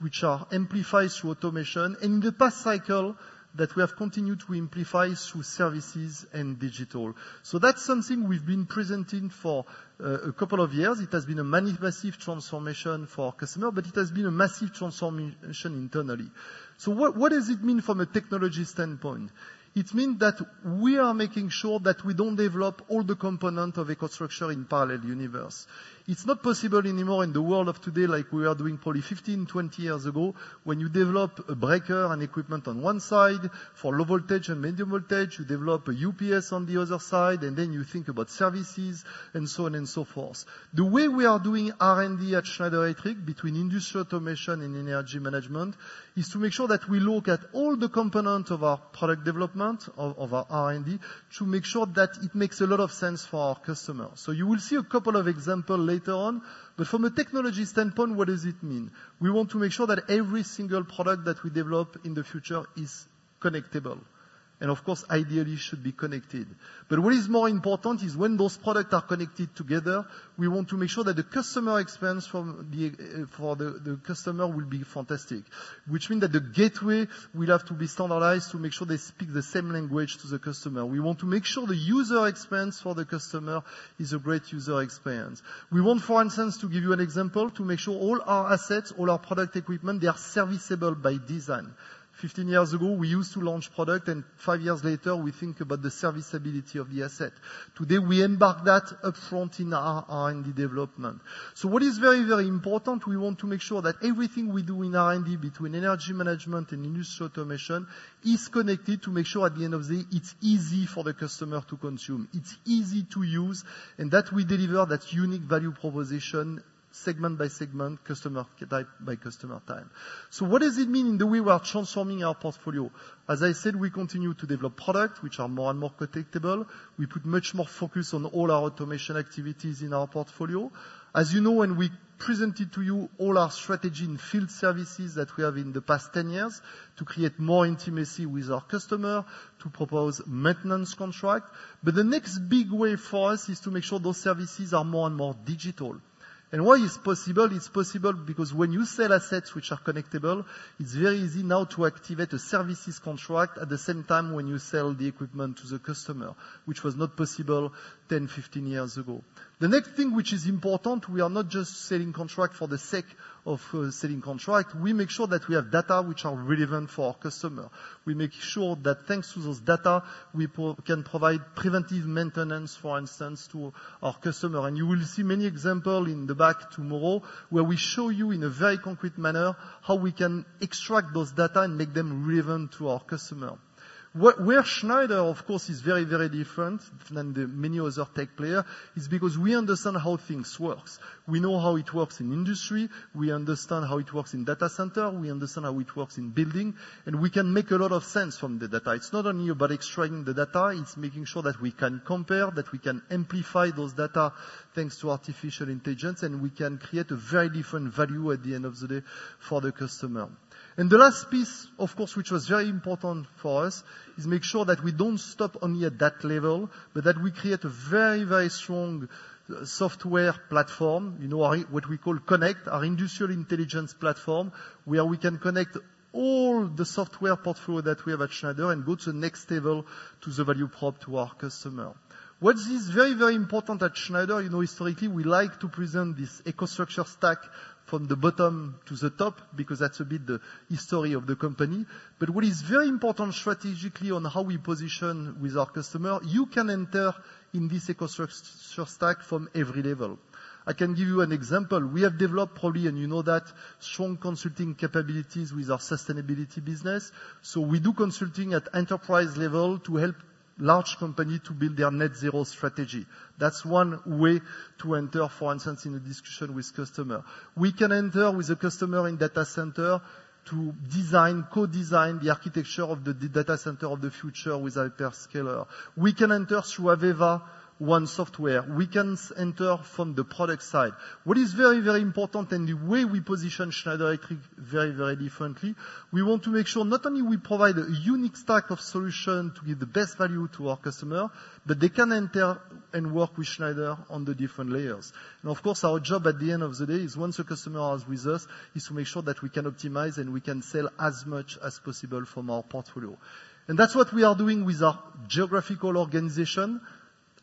which are amplified through automation. And in the past cycle, that we have continued to amplify through services and digital. So that's something we've been presenting for a couple of years. It has been a massive transformation for our customers, but it has been a massive transformation internally. So what does it mean from a technology standpoint? It means that we are making sure that we don't develop all the components of EcoStruxure in a parallel universe. It's not possible anymore in the world of today like we were doing probably 15, 20 years ago when you develop a breaker and equipment on one side for low voltage and medium voltage, you develop a UPS on the other side, and then you think about services and so on and so forth. The way we are doing R&D at Schneider Electric between Industrial Automation and Energy Management is to make sure that we look at all the components of our product development, of our R&D, to make sure that it makes a lot of sense for our customers. So you will see a couple of examples later on. But from a technology standpoint, what does it mean? We want to make sure that every single product that we develop in the future is connectable. And of course, ideally, it should be connected. But what is more important is when those products are connected together, we want to make sure that the customer experience for the customer will be fantastic, which means that the gateway will have to be standardized to make sure they speak the same language to the customer. We want to make sure the user experience for the customer is a great user experience. We want, for instance, to give you an example to make sure all our assets, all our product equipment, they are serviceable by design. 15 years ago, we used to launch products, and five years later, we think about the serviceability of the asset. Today, we embark that upfront in our R&D development. So what is very, very important? We want to make sure that everything we do in R&D between Energy Management and Industrial Automation is connected to make sure at the end of the day, it's easy for the customer to consume. It's easy to use, and that we deliver that unique value proposition segment by segment, customer type by customer type. So what does it mean in the way we are transforming our portfolio? As I said, we continue to develop products which are more and more connectable. We put much more focus on all our automation activities in our portfolio. As you know, when we presented to you all our strategy and field services that we have in the past 10 years to create more intimacy with our customers, to propose maintenance contracts. But the next big way for us is to make sure those services are more and more digital. And why is it possible? It's possible because when you sell assets which are connectable, it's very easy now to activate a services contract at the same time when you sell the equipment to the customer, which was not possible 10, 15 years ago. The next thing which is important, we are not just selling contracts for the sake of selling contracts. We make sure that we have data which are relevant for our customers. We make sure that thanks to those data, we can provide preventive maintenance, for instance, to our customers. And you will see many examples in the back tomorrow where we show you in a very concrete manner how we can extract those data and make them relevant to our customers. Where Schneider, of course, is very, very different than many other tech players is because we understand how things work. We know how it works in industry. We understand how it works in data centers. We understand how it works in building, and we can make a lot of sense from the data. It's not only about extracting the data. It's making sure that we can compare, that we can amplify those data thanks to artificial intelligence, and we can create a very different value at the end of the day for the customer. And the last piece, of course, which was very important for us, is to make sure that we don't stop only at that level, but that we create a very, very strong software platform, what we call Connect, our industrial intelligence platform, where we can connect all the software portfolio that we have at Schneider and go to the next level to the value prop to our customers. What is very, very important at Schneider, historically, we like to present this EcoStruxure stack from the bottom to the top because that's a bit the history of the company. But what is very important strategically on how we position with our customers, you can enter in this EcoStruxure stack from every level. I can give you an example. We have developed probably, and you know that, strong consulting capabilities with our Sustainability Business. So we do consulting at enterprise level to help large companies to build their Net Zero strategy. That's one way to enter, for instance, in a discussion with customers. We can enter with a customer in data center to design, co-design the architecture of the data center of the future with hyperscaler. We can enter through AVEVA One Software. We can enter from the product side. What is very, very important and the way we position Schneider Electric very, very differently. We want to make sure not only we provide a unique stack of solutions to give the best value to our customers, but they can enter and work with Schneider on the different layers. And of course, our job at the end of the day is once a customer is with us, is to make sure that we can optimize and we can sell as much as possible from our portfolio. And that's what we are doing with our geographical organization.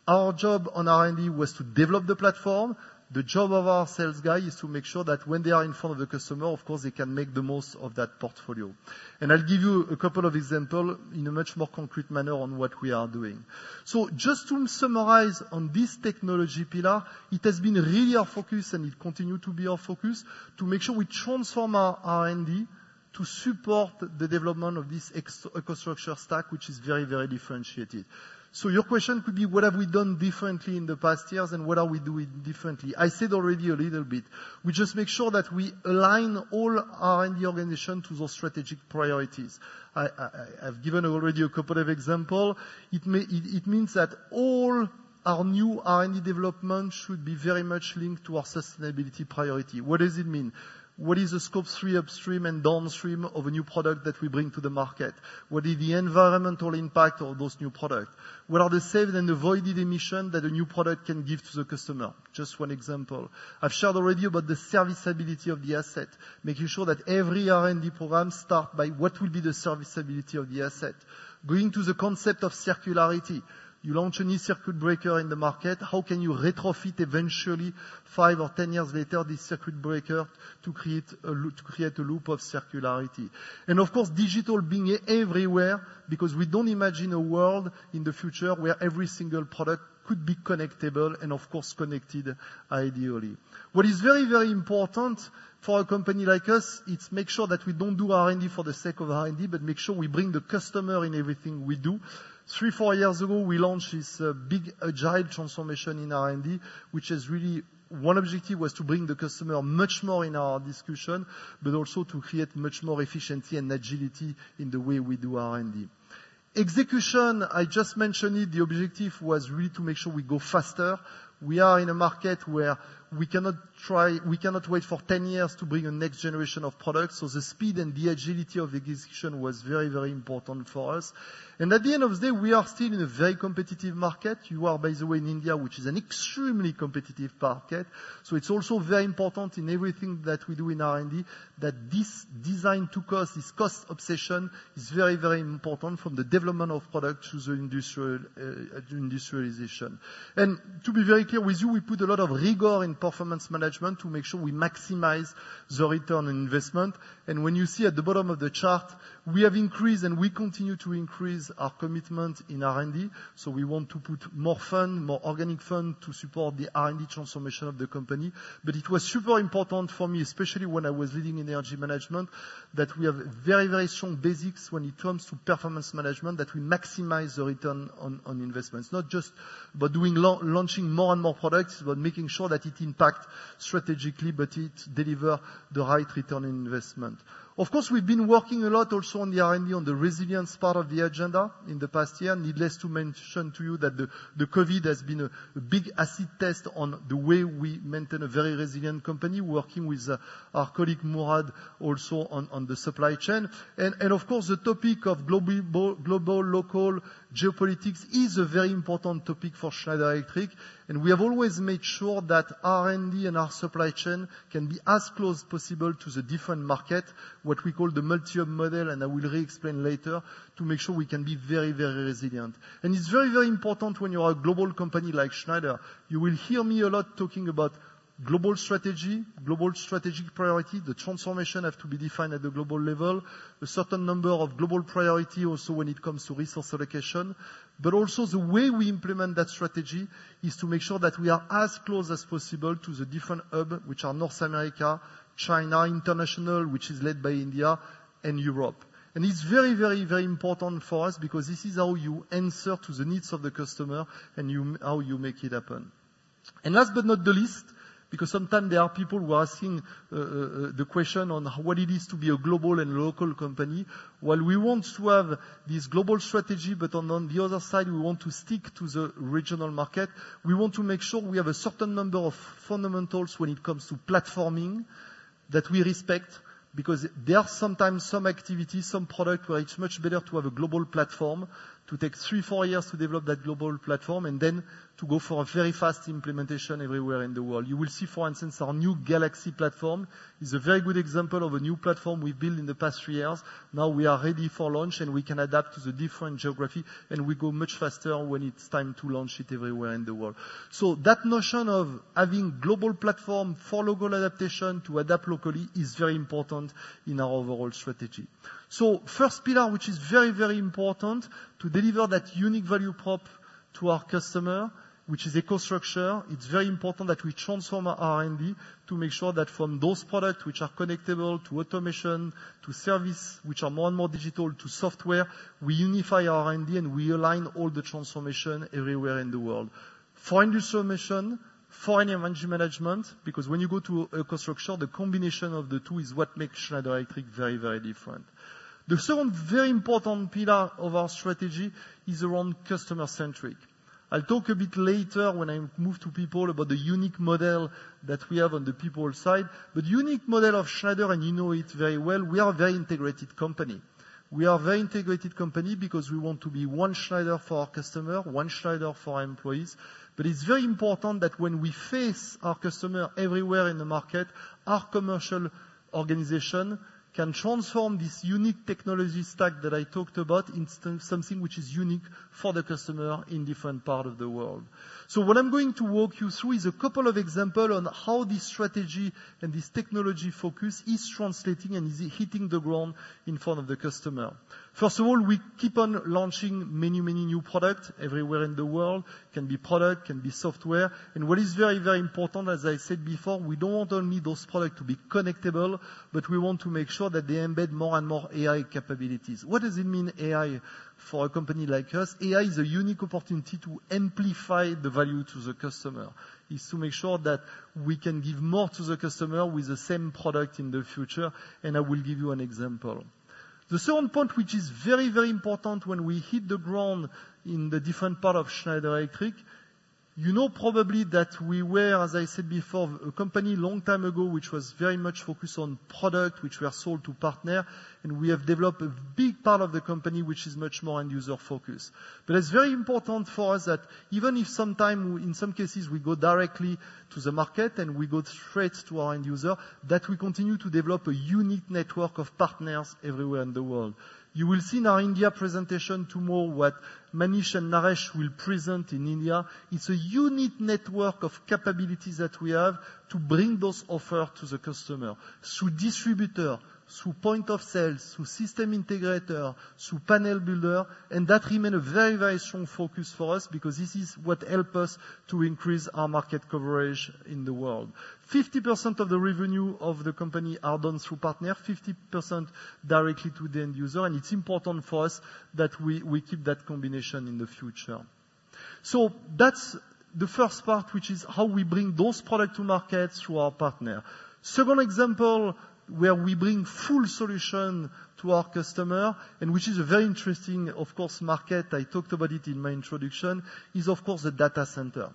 Our job on R&D was to develop the platform. The job of our sales guy is to make sure that when they are in front of the customer, of course, they can make the most of that portfolio. I'll give you a couple of examples in a much more concrete manner on what we are doing. Just to summarize on this technology pillar, it has been really our focus, and it continues to be our focus, to make sure we transform our R&D to support the development of this EcoStruxure stack, which is very, very differentiated. Your question could be, what have we done differently in the past years, and what are we doing differently? I said already a little bit. We just make sure that we align all R&D organizations to those strategic priorities. I've given already a couple of examples. It means that all our new R&D developments should be very much linked to our sustainability priority. What does it mean? What is the Scope 3 upstream and downstream of a new product that we bring to the market? What is the environmental impact of those new products? What are the saved and avoided emissions that a new product can give to the customer? Just one example. I've shared already about the serviceability of the asset, making sure that every R&D program starts by what will be the serviceability of the asset. Going to the concept of circularity. You launch a new circuit breaker in the market. How can you retrofit eventually, five or 10 years later, this circuit breaker to create a loop of circularity? And of course, digital being everywhere because we don't imagine a world in the future where every single product could be connectable and, of course, connected ideally. What is very, very important for a company like us is to make sure that we don't do R&D for the sake of R&D, but make sure we bring the customer in everything we do. or four years ago, we launched this big agile transformation in R&D, which has really one objective was to bring the customer much more in our discussion, but also to create much more efficiency and agility in the way we do R&D. Execution, I just mentioned it. The objective was really to make sure we go faster. We are in a market where we cannot wait for 10 years to bring a next generation of products. So the speed and the agility of the execution was very, very important for us, and at the end of the day, we are still in a very competitive market. You are, by the way, in India, which is an extremely competitive market. It's also very important in everything that we do in R&D that this design to cost, this cost obsession, is very, very important from the development of products to the industrialization. To be very clear with you, we put a lot of rigor in performance management to make sure we maximize the return on investment. When you see at the bottom of the chart, we have increased and we continue to increase our commitment in R&D. We want to put more funds, more organic funds to support the R&D transformation of the company. It was super important for me, especially when I was leading Energy Management, that we have very, very strong basics when it comes to performance management, that we maximize the return on investments. Not just about launching more and more products, but making sure that it impacts strategically, but it delivers the right return on investment. Of course, we've been working a lot also on the R&D, on the resilience part of the agenda in the past year. Needless to mention to you that the COVID has been a big acid test on the way we maintain a very resilient company, working with our colleague Mourad also on the supply chain, and of course, the topic of global, local, geopolitics is a very important topic for Schneider Electric, and we have always made sure that R&D and our supply chain can be as close as possible to the different markets, what we call the Multi-Hub model, and I will re-explain later to make sure we can be very, very resilient, and it's very, very important when you are a global company like Schneider. You will hear me a lot talking about global strategy, global strategic priorities. The transformation has to be defined at the global level. A certain number of global priorities also when it comes to resource allocation, but also the way we implement that strategy is to make sure that we are as close as possible to the different hubs, which are North America, China, International, which is led by India, and Europe. It's very, very, very important for us because this is how you answer to the needs of the customer and how you make it happen, and last but not the least, because sometimes there are people who are asking the question on what it is to be a global and local company. While we want to have this global strategy, but on the other side, we want to stick to the regional market. We want to make sure we have a certain number of fundamentals when it comes to platforming that we respect because there are sometimes some activities, some products where it's much better to have a global platform, to take three, four years to develop that global platform, and then to go for a very fast implementation everywhere in the world. You will see, for instance, our new Galaxy platform is a very good example of a new platform we built in the past three years. Now we are ready for launch, and we can adapt to the different geography, and we go much faster when it's time to launch it everywhere in the world. That notion of having a global platform for local adaptation to adapt locally is very important in our overall strategy. First pillar, which is very, very important to deliver that unique value prop to our customer, which is EcoStruxure, it's very important that we transform our R&D to make sure that from those products which are connectable to automation, to services which are more and more digital, to software, we unify our R&D and we align all the transformation everywhere in the world. For Industrial Automation, for Energy Management, because when you go to EcoStruxure, the combination of the two is what makes Schneider Electric very, very different. The second very important pillar of our strategy is around customer-centric. I'll talk a bit later when I move to people about the unique model that we have on the people side. But the unique model of Schneider, and you know it very well, we are a very integrated company. We are a very integrated company because we want to be One Schneider for our customers, One Schneider for our employees. But it's very important that when we face our customers everywhere in the market, our commercial organization can transform this unique technology stack that I talked about into something which is unique for the customer in different parts of the world. So what I'm going to walk you through is a couple of examples on how this strategy and this technology focus is translating and is hitting the ground in front of the customer. First of all, we keep on launching many, many new products everywhere in the world. It can be products, it can be software. And what is very, very important, as I said before, we don't want only those products to be connectable, but we want to make sure that they embed more and more AI capabilities. What does it mean, AI, for a company like us? AI is a unique opportunity to amplify the value to the customer. It's to make sure that we can give more to the customer with the same product in the future, and I will give you an example. The second point, which is very, very important when we hit the ground in the different parts of Schneider Electric, you know probably that we were, as I said before, a company a long time ago which was very much focused on products which were sold to partners, and we have developed a big part of the company which is much more end-user focused. But it's very important for us that even if sometimes in some cases we go directly to the market and we go straight to our end-user, that we continue to develop a unique network of partners everywhere in the world. You will see in our India presentation tomorrow what Manish and Naresh will present in India. It's a unique network of capabilities that we have to bring those offers to the customer, through distributor, through point of sales, through system integrator, through panel builder, and that remains a very, very strong focus for us because this is what helps us to increase our market coverage in the world. 50% of the revenue of the company is done through partners, 50% directly to the end-user, and it's important for us that we keep that combination in the future. So that's the first part, which is how we bring those products to market through our partners. Second example where we bring full solutions to our customers, and which is a very interesting, of course, market, I talked about it in my introduction, is of course the data center.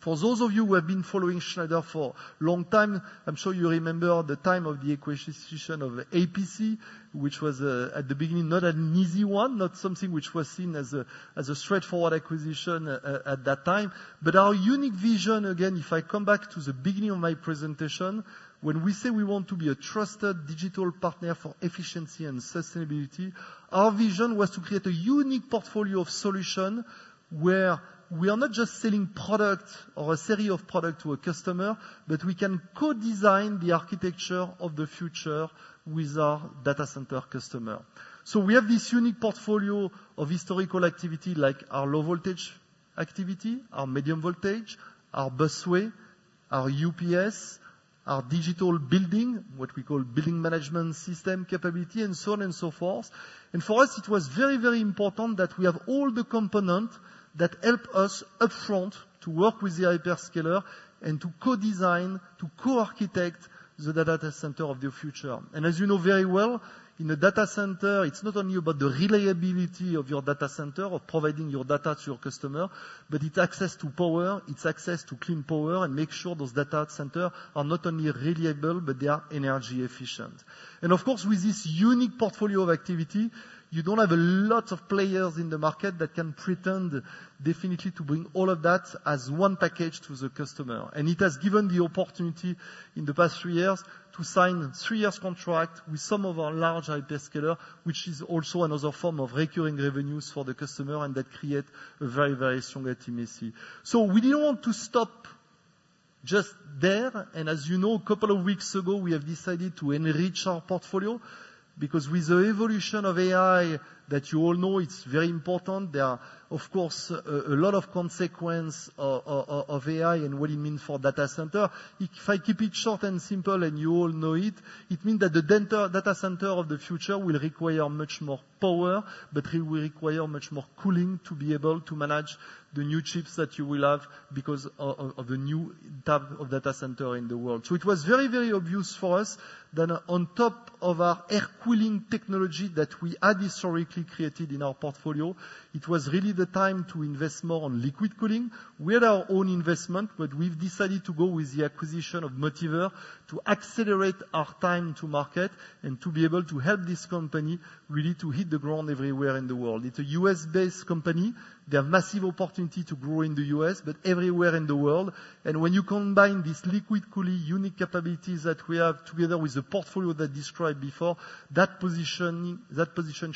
For those of you who have been following Schneider for a long time, I'm sure you remember the time of the acquisition of APC, which was at the beginning not an easy one, not something which was seen as a straightforward acquisition at that time. But our unique vision, again, if I come back to the beginning of my presentation, when we say we want to be a trusted digital partner for efficiency and sustainability, our vision was to create a unique portfolio of solutions where we are not just selling products or a series of products to a customer, but we can co-design the architecture of the future with our data center customers. So we have this unique portfolio of historical activity like our low-voltage activity, our medium voltage, our busway, our UPS, our digital building, what we call building management system capability, and so on and so forth. And for us, it was very, very important that we have all the components that help us upfront to work with the hyperscaler and to co-design, to co-architect the data center of the future. As you know very well, in a data center, it's not only about the reliability of your data center or providing your data to your customer, but it's access to power, it's access to clean power, and make sure those data centers are not only reliable, but they are energy efficient. Of course, with this unique portfolio of activity, you don't have a lot of players in the market that can pretend definitely to bring all of that as one package to the customer. It has given the opportunity in the past three years to sign a three-year contract with some of our large hyperscalers, which is also another form of recurring revenues for the customer, and that creates a very, very strong intimacy. We didn't want to stop just there. As you know, a couple of weeks ago, we have decided to enrich our portfolio because with the evolution of AI that you all know, it's very important. There are, of course, a lot of consequences of AI and what it means for data centers. If I keep it short and simple and you all know it, it means that the data center of the future will require much more power, but it will require much more cooling to be able to manage the new chips that you will have because of the new type of data center in the world. So it was very, very obvious for us that on top of our air cooling technology that we had historically created in our portfolio, it was really the time to invest more in liquid cooling. We had our own investment, but we've decided to go with the acquisition of Motivair to accelerate our time to market and to be able to help this company really to hit the ground everywhere in the world. It's a U.S.-based company. They have massive opportunities to grow in the U.S., but everywhere in the world, and when you combine these liquid cooling unique capabilities that we have together with the portfolio that I described before, that positions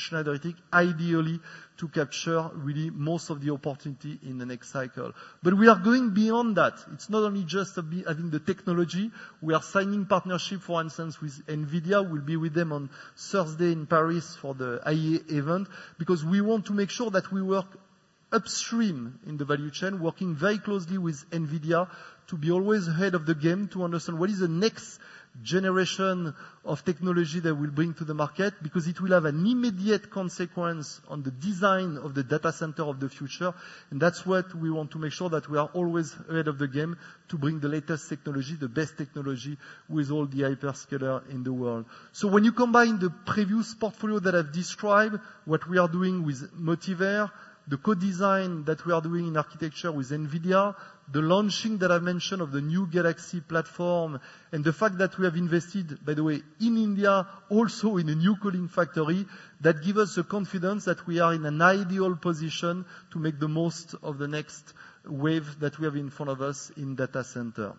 Schneider ideally to capture really most of the opportunity in the next cycle, but we are going beyond that. It's not only just having the technology. We are signing partnerships, for instance, with NVIDIA. We'll be with them on Thursday in Paris for the IEA event because we want to make sure that we work upstream in the value chain, working very closely with NVIDIA to be always ahead of the game to understand what is the next generation of technology that we'll bring to the market because it will have an immediate consequence on the design of the data center of the future. And that's what we want to make sure that we are always ahead of the game to bring the latest technology, the best technology with all the hyper-scalers in the world. So when you combine the previous portfolio that I've described, what we are doing with Motivair, the co-design that we are doing in architecture with NVIDIA, the launching that I've mentioned of the new Galaxy platform, and the fact that we have invested, by the way, in India also in a new cooling factory, that gives us the confidence that we are in an ideal position to make the most of the next wave that we have in front of us in data center.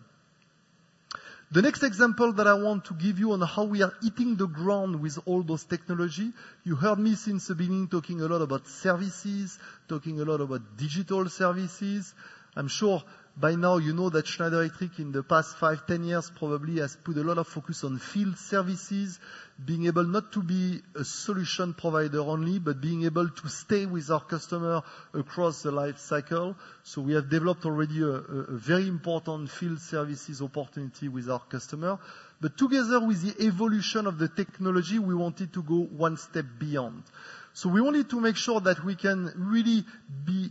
The next example that I want to give you on how we are hitting the ground with all those technologies, you heard me since the beginning talking a lot about services, talking a lot about digital services. I'm sure by now you know that Schneider Electric in the past five, 10 years probably has put a lot of focus on field services, being able not to be a solution provider only, but being able to stay with our customer across the life cycle, so we have developed already a very important field services opportunity with our customer. But together with the evolution of the technology, we wanted to go one step beyond, so we wanted to make sure that we can really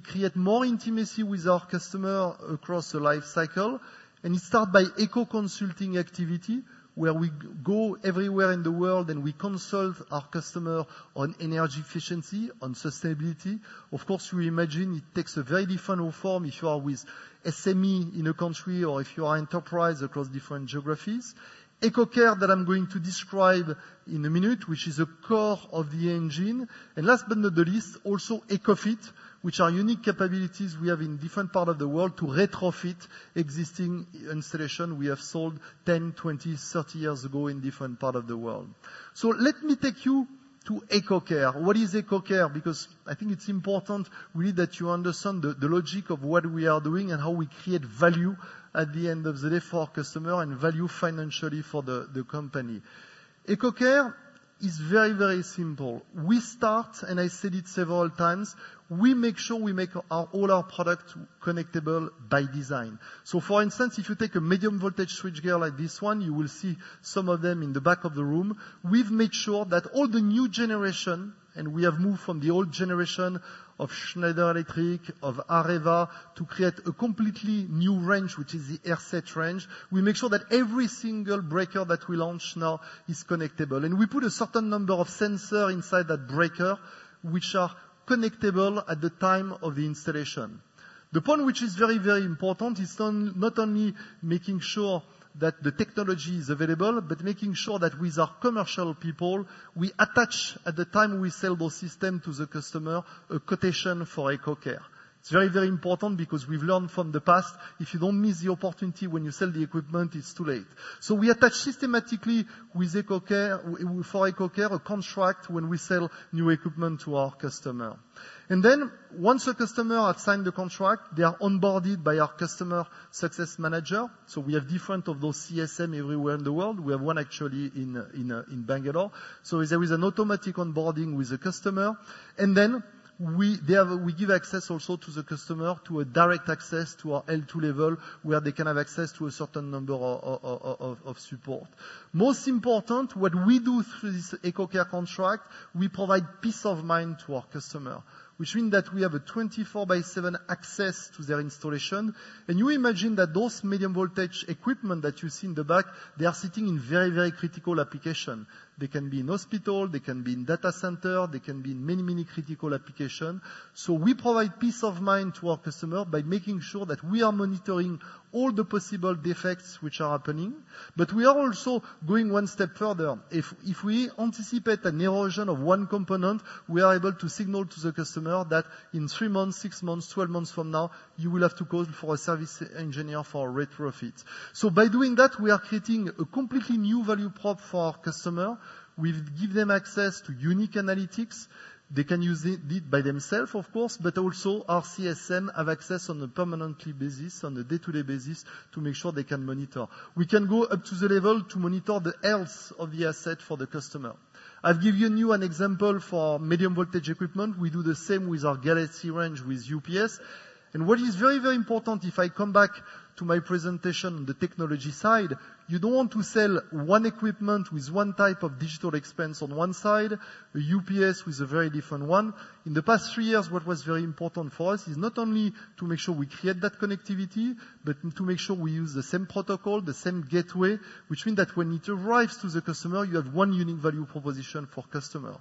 create more intimacy with our customer across the life cycle, and it starts by EcoConsult activity where we go everywhere in the world and we consult our customer on energy efficiency, on sustainability. Of course, you imagine it takes a very different form if you are with SME in a country or if you are enterprise across different geographies. EcoCare that I'm going to describe in a minute, which is a core of the engine. And last but not the least, also EcoFit, which are unique capabilities we have in different parts of the world to retrofit existing installations we have sold 10, 20, 30 years ago in different parts of the world. So let me take you to EcoCare. What is EcoCare? Because I think it's important really that you understand the logic of what we are doing and how we create value at the end of the day for our customer and value financially for the company. EcoCare is very, very simple. We start, and I said it several times, we make sure we make all our products connectable by design. So for instance, if you take a medium voltage switchgear like this one, you will see some of them in the back of the room, we've made sure that all the new generation, and we have moved from the old generation of Schneider Electric, of Areva, to create a completely new range, which is the AirSeT range. We make sure that every single breaker that we launch now is connectable. And we put a certain number of sensors inside that breaker, which are connectable at the time of the installation. The point which is very, very important is not only making sure that the technology is available, but making sure that with our commercial people, we attach at the time we sell those systems to the customer a quotation for EcoCare. It's very, very important because we've learned from the past, if you don't miss the opportunity when you sell the equipment, it's too late. So we attach systematically with EcoCare a contract when we sell new equipment to our customer. And then once the customer has signed the contract, they are onboarded by our customer success manager. So we have different of those CSMs everywhere in the world. We have one actually in Bangalore. So there is an automatic onboarding with the customer. And then we give access also to the customer to a direct access to our L2 level where they can have access to a certain number of support. Most important, what we do through this EcoCare contract, we provide peace of mind to our customer, which means that we have a 24x7 access to their installation. You imagine that those medium voltage equipments that you see in the back. They are sitting in very, very critical applications. They can be in hospitals. They can be in data centers. They can be in many, many critical applications. We provide peace of mind to our customers by making sure that we are monitoring all the possible defects which are happening. We are also going one step further. If we anticipate an erosion of one component, we are able to signal to the customer that in three months, six months, 12 months from now, you will have to call for a service engineer for retrofit. By doing that, we are creating a completely new value prop for our customer. We give them access to unique analytics. They can use it by themselves, of course, but also our CSMs have access on a permanent basis, on a day-to-day basis to make sure they can monitor. We can go up to the level to monitor the health of the asset for the customer. I've given you an example for medium voltage equipment. We do the same with our Galaxy range with UPS. And what is very, very important, if I come back to my presentation on the technology side, you don't want to sell one equipment with one type of digital experience on one side, a UPS with a very different one. In the past three years, what was very important for us is not only to make sure we create that connectivity, but to make sure we use the same protocol, the same gateway, which means that when it arrives to the customer, you have one unique value proposition for the customer.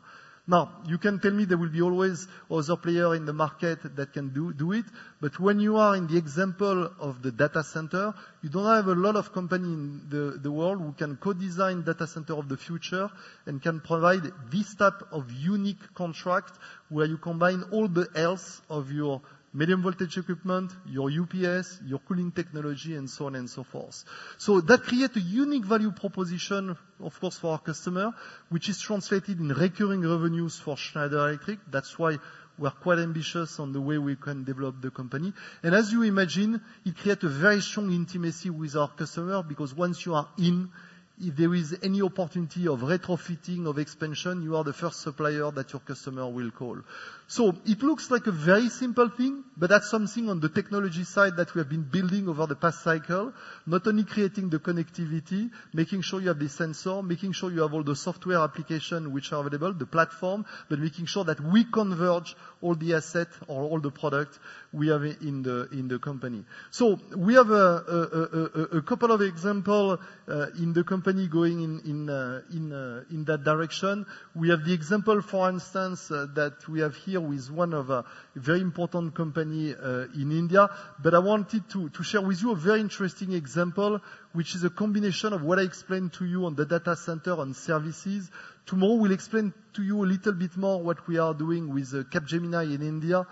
Now, you can tell me there will be always other players in the market that can do it, but when you are in the example of the data center, you don't have a lot of companies in the world who can co-design data centers of the future and can provide this type of unique contract where you combine all the health of your medium voltage equipment, your UPS, your cooling technology, and so on and so forth. So that creates a unique value proposition, of course, for our customer, which is translated in recurring revenues for Schneider Electric. That's why we're quite ambitious on the way we can develop the company. And as you imagine, it creates a very strong intimacy with our customer because once you are in, if there is any opportunity of retrofitting, of expansion, you are the first supplier that your customer will call. So it looks like a very simple thing, but that's something on the technology side that we have been building over the past cycle, not only creating the connectivity, making sure you have the sensor, making sure you have all the software applications which are available, the platform, but making sure that we converge all the assets or all the products we have in the company. So we have a couple of examples in the company going in that direction. We have the example, for instance, that we have here with one of the very important companies in India. But I wanted to share with you a very interesting example, which is a combination of what I explained to you on the data center and services. Tomorrow, we'll explain to you a little bit more what we are doing with Capgemini in India.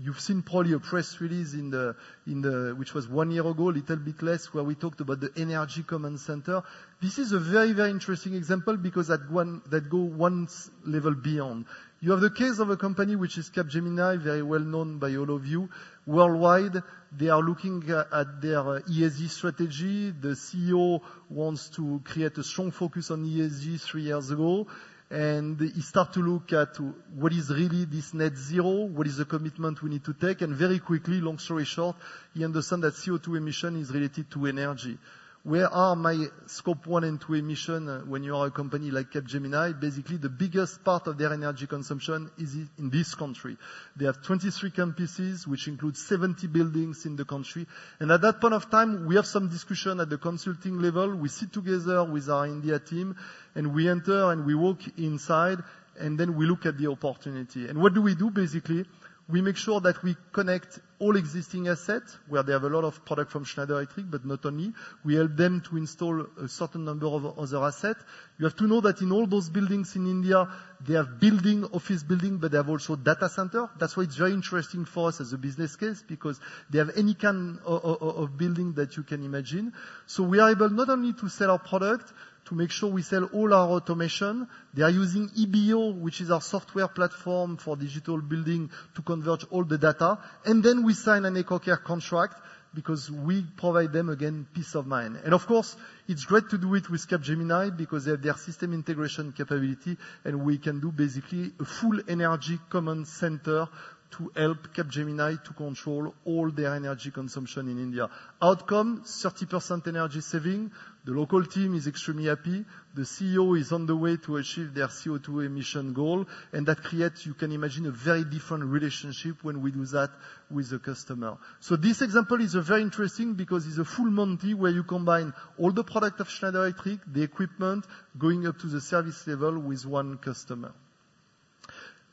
You've seen probably a press release which was one year ago, a little bit less, where we talked about the Energy Command Center. This is a very, very interesting example because that goes one level beyond. You have the case of a company which is Capgemini, very well known by all of you. Worldwide, they are looking at their ESG strategy. The CEO wants to create a strong focus on ESG three years ago, and he starts to look at what is really this net zero, what is the commitment we need to take. And very quickly, long story short, he understands that CO2 emission is related to energy. Where are my Scope 1 and 2 emissions when you are a company like Capgemini? Basically, the biggest part of their energy consumption is in this country. They have 23 campuses, which include 70 buildings in the country. And at that point of time, we have some discussion at the consulting level. We sit together with our India team, and we enter and we walk inside, and then we look at the opportunity. And what do we do, basically? We make sure that we connect all existing assets where they have a lot of products from Schneider Electric, but not only. We help them to install a certain number of other assets. You have to know that in all those buildings in India, they have buildings, office buildings, but they have also data centers. That's why it's very interesting for us as a business case because they have any kind of building that you can imagine. So we are able not only to sell our product to make sure we sell all our automation. They are using EBO, which is our software platform for digital building, to converge all the data. And then we sign an EcoCare contract because we provide them, again, peace of mind. And of course, it's great to do it with Capgemini because they have their system integration capability, and we can do basically a full Energy Command Center to help Capgemini to control all their energy consumption in India. Outcome, 30% energy saving. The local team is extremely happy. The CEO is on the way to achieve their CO2 emission goal. And that creates, you can imagine, a very different relationship when we do that with the customer. So this example is very interesting because it's a full monty where you combine all the products of Schneider Electric, the equipment, going up to the service level with one customer.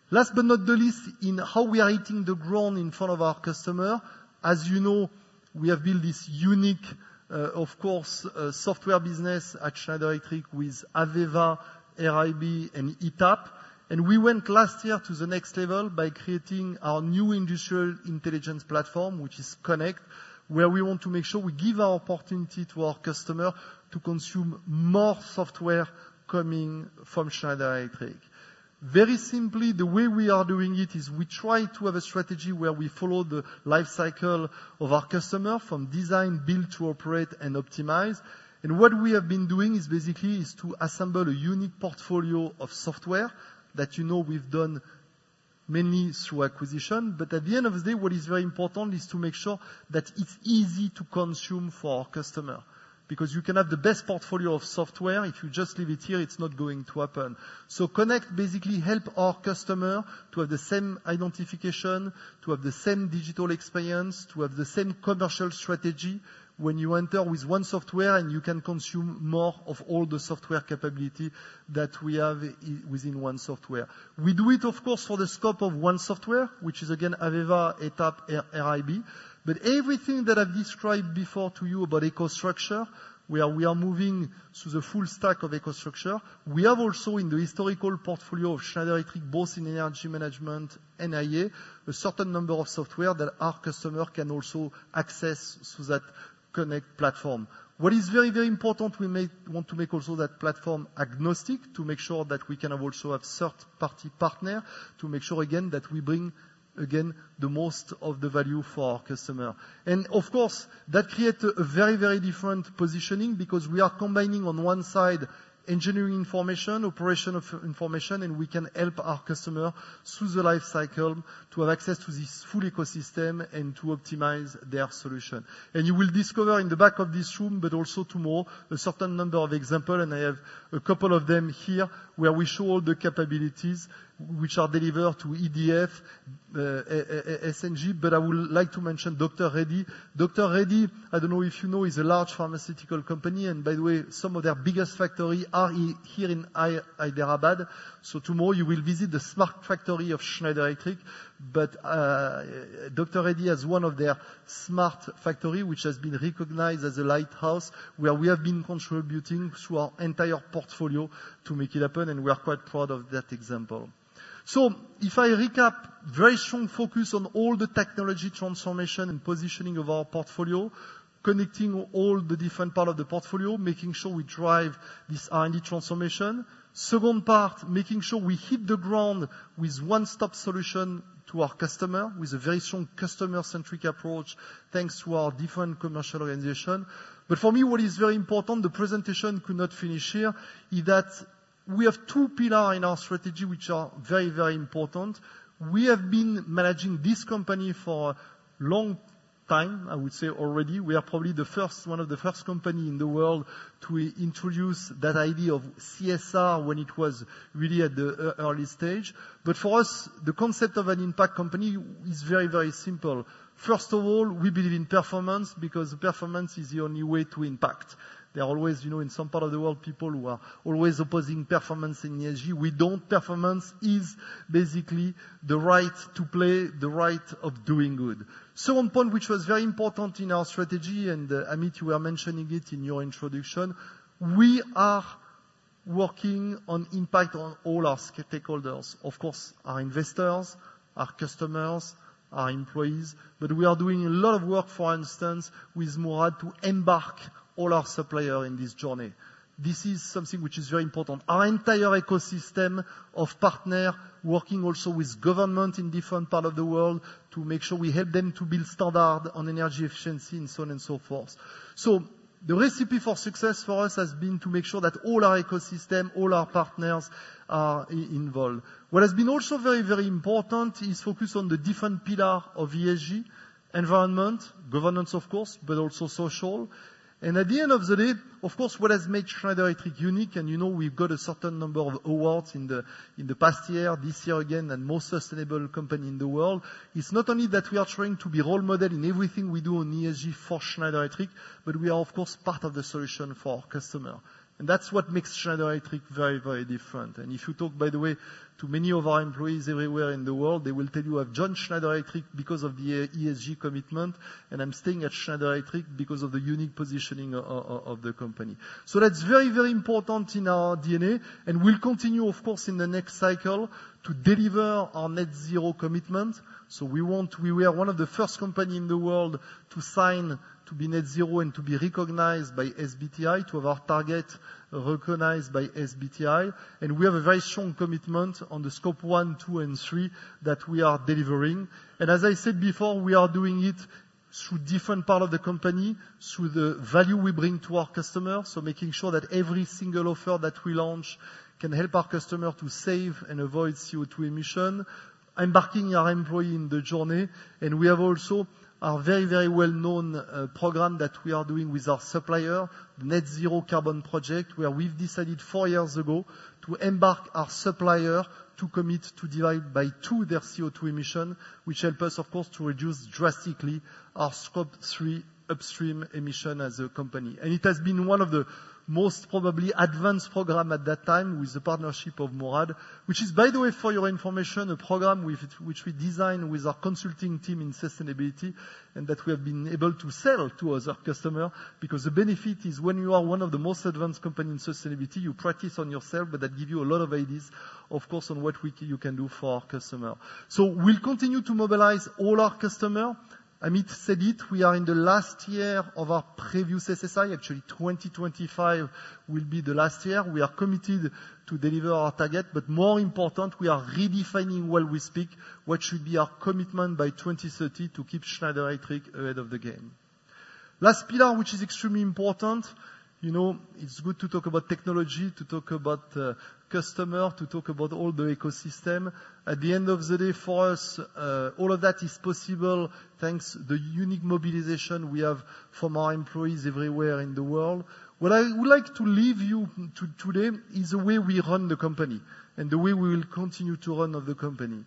Last but not least, in how we are hitting the ground in front of our customer, as you know, we have built this unique, of course, software business at Schneider Electric with AVEVA, RIB, and ETAP. And we went last year to the next level by creating our new industrial intelligence platform, which is Connect, where we want to make sure we give our opportunity to our customer to consume more software coming from Schneider Electric. Very simply, the way we are doing it is we try to have a strategy where we follow the life cycle of our customer from design, build, to operate, and optimize. And what we have been doing is basically to assemble a unique portfolio of software that you know we've done mainly through acquisition. But at the end of the day, what is very important is to make sure that it's easy to consume for our customer. Because you can have the best portfolio of software, if you just leave it here, it's not going to happen. So Connect basically helps our customer to have the same identification, to have the same digital experience, to have the same commercial strategy when you enter with one software and you can consume more of all the software capabilities that we have within one software. We do it, of course, for the scope of one software, which is again AVEVA, ETAP, RIB. Everything that I've described before to you about EcoStruxure, where we are moving to the full stack of EcoStruxure, we have also in the historical portfolio of Schneider Electric, both in energy management and IA, a certain number of software that our customer can also access through that Connect platform. What is very, very important, we want to make also that platform agnostic to make sure that we can also have third-party partners to make sure, again, that we bring again the most of the value for our customer. And of course, that creates a very, very different positioning because we are combining on one side engineering information, operational information, and we can help our customer through the life cycle to have access to this full ecosystem and to optimize their solution. And you will discover in the back of this room, but also tomorrow, a certain number of examples, and I have a couple of them here where we show all the capabilities which are delivered to EDF, ENGIE, but I would like to mention Dr. Reddy's. Dr. Reddy's, I don't know if you know, is a large pharmaceutical company. And by the way, some of their biggest factories are here in Hyderabad. So tomorrow, you will visit the smart factory of Schneider Electric. But Dr. Reddy's has one of their smart factories which has been recognized as a Lighthouse where we have been contributing through our entire portfolio to make it happen, and we are quite proud of that example. So if I recap, very strong focus on all the technology transformation and positioning of our portfolio, connecting all the different parts of the portfolio, making sure we drive this R&D transformation. Second part, making sure we hit the ground with one-stop solution to our customer with a very strong customer-centric approach thanks to our different commercial organizations. But for me, what is very important, the presentation could not finish here, is that we have two pillars in our strategy which are very, very important. We have been managing this company for a long time, I would say already. We are probably one of the first companies in the world to introduce that idea of CSR when it was really at the early stage. But for us, the concept of an Impact Company is very, very simple. First of all, we believe in performance because performance is the only way to impact. There are always, in some part of the world, people who are always opposing performance in ESG. We don't. Performance is basically the right to play, the right of doing good. Second point, which was very important in our strategy, and Amit, you were mentioning it in your introduction, we are working on impact on all our stakeholders. Of course, our investors, our customers, our employees, but we are doing a lot of work, for instance, with Mourad to embark all our suppliers in this journey. This is something which is very important. Our entire ecosystem of partners working also with governments in different parts of the world to make sure we help them to build standards on energy efficiency and so on and so forth. So the recipe for success for us has been to make sure that all our ecosystem, all our partners are involved. What has been also very, very important is focus on the different pillars of ESG, environment, governance, of course, but also social. And at the end of the day, of course, what has made Schneider Electric unique, and you know we've got a certain number of awards in the past year, this year again, and most sustainable company in the world, is not only that we are trying to be a role model in everything we do in ESG for Schneider Electric, but we are, of course, part of the solution for our customers. And that's what makes Schneider Electric very, very different. And if you talk, by the way, to many of our employees everywhere in the world, they will tell you, "I've joined Schneider Electric because of the ESG commitment, and I'm staying at Schneider Electric because of the unique positioning of the company." So that's very, very important in our DNA. And we'll continue, of course, in the next cycle to deliver our Net Zero commitment. So we are one of the first companies in the world to sign to be Net Zero and to be recognized by SBTi to have our target recognized by SBTi. And we have a very strong commitment on the Scope 1, 2, and 3 that we are delivering. And as I said before, we are doing it through different parts of the company, through the value we bring to our customers. Making sure that every single offer that we launch can help our customers to save and avoid CO2 emissions, embarking our employees in the journey. We have also our very, very well-known program that we are doing with our suppliers, the Net Zero Carbon Project, where we've decided four years ago to embark our suppliers to commit to divide by two their CO2 emissions, which helps us, of course, to reduce drastically our Scope 3 upstream emissions as a company. It has been one of the most probably advanced programs at that time with the partnership of Mourad, which is, by the way, for your information, a program which we designed with our consulting team in sustainability and that we have been able to sell to other customers because the benefit is when you are one of the most advanced companies in sustainability, you practice on yourself, but that gives you a lot of ideas, of course, on what you can do for our customers. So we'll continue to mobilize all our customers. Amit said it. We are in the last year of our previous SSI. Actually, 2025 will be the last year. We are committed to deliver our target. But more important, we are redefining while we speak what should be our commitment by 2030 to keep Schneider Electric ahead of the game. Last pillar, which is extremely important, it's good to talk about technology, to talk about customers, to talk about all the ecosystem. At the end of the day, for us, all of that is possible thanks to the unique mobilization we have from our employees everywhere in the world. What I would like to leave you to today is the way we run the company and the way we will continue to run the company.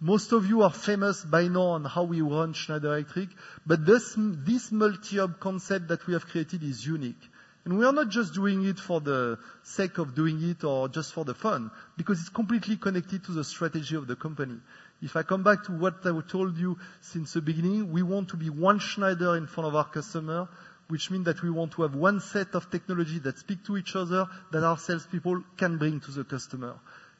Most of you are famous by now on how we run Schneider Electric, but this Multi-Hub concept that we have created is unique, and we are not just doing it for the sake of doing it or just for the fun because it's completely connected to the strategy of the company. If I come back to what I told you since the beginning, we want to be One Schneider in front of our customers, which means that we want to have one set of technologies that speak to each other that our salespeople can bring to the customer.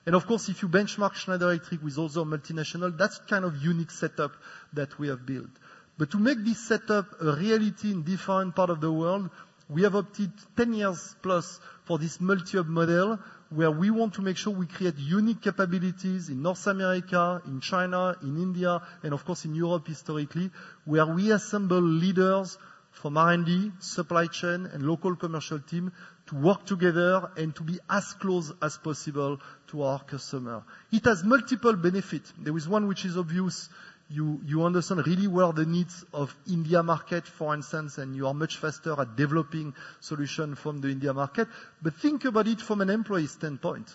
And of course, if you benchmark Schneider Electric with also multinationals, that's kind of a unique setup that we have built. But to make this setup a reality in different parts of the world, we have opted 10 years plus for this Multi-Hub model where we want to make sure we create unique capabilities in North America, in China, in India, and of course, in Europe historically, where we assemble leaders from R&D, supply chain, and local commercial teams to work together and to be as close as possible to our customers. It has multiple benefits. There is one which is obvious. You understand really well the needs of the India market, for instance, and you are much faster at developing solutions from the India market, but think about it from an employee standpoint.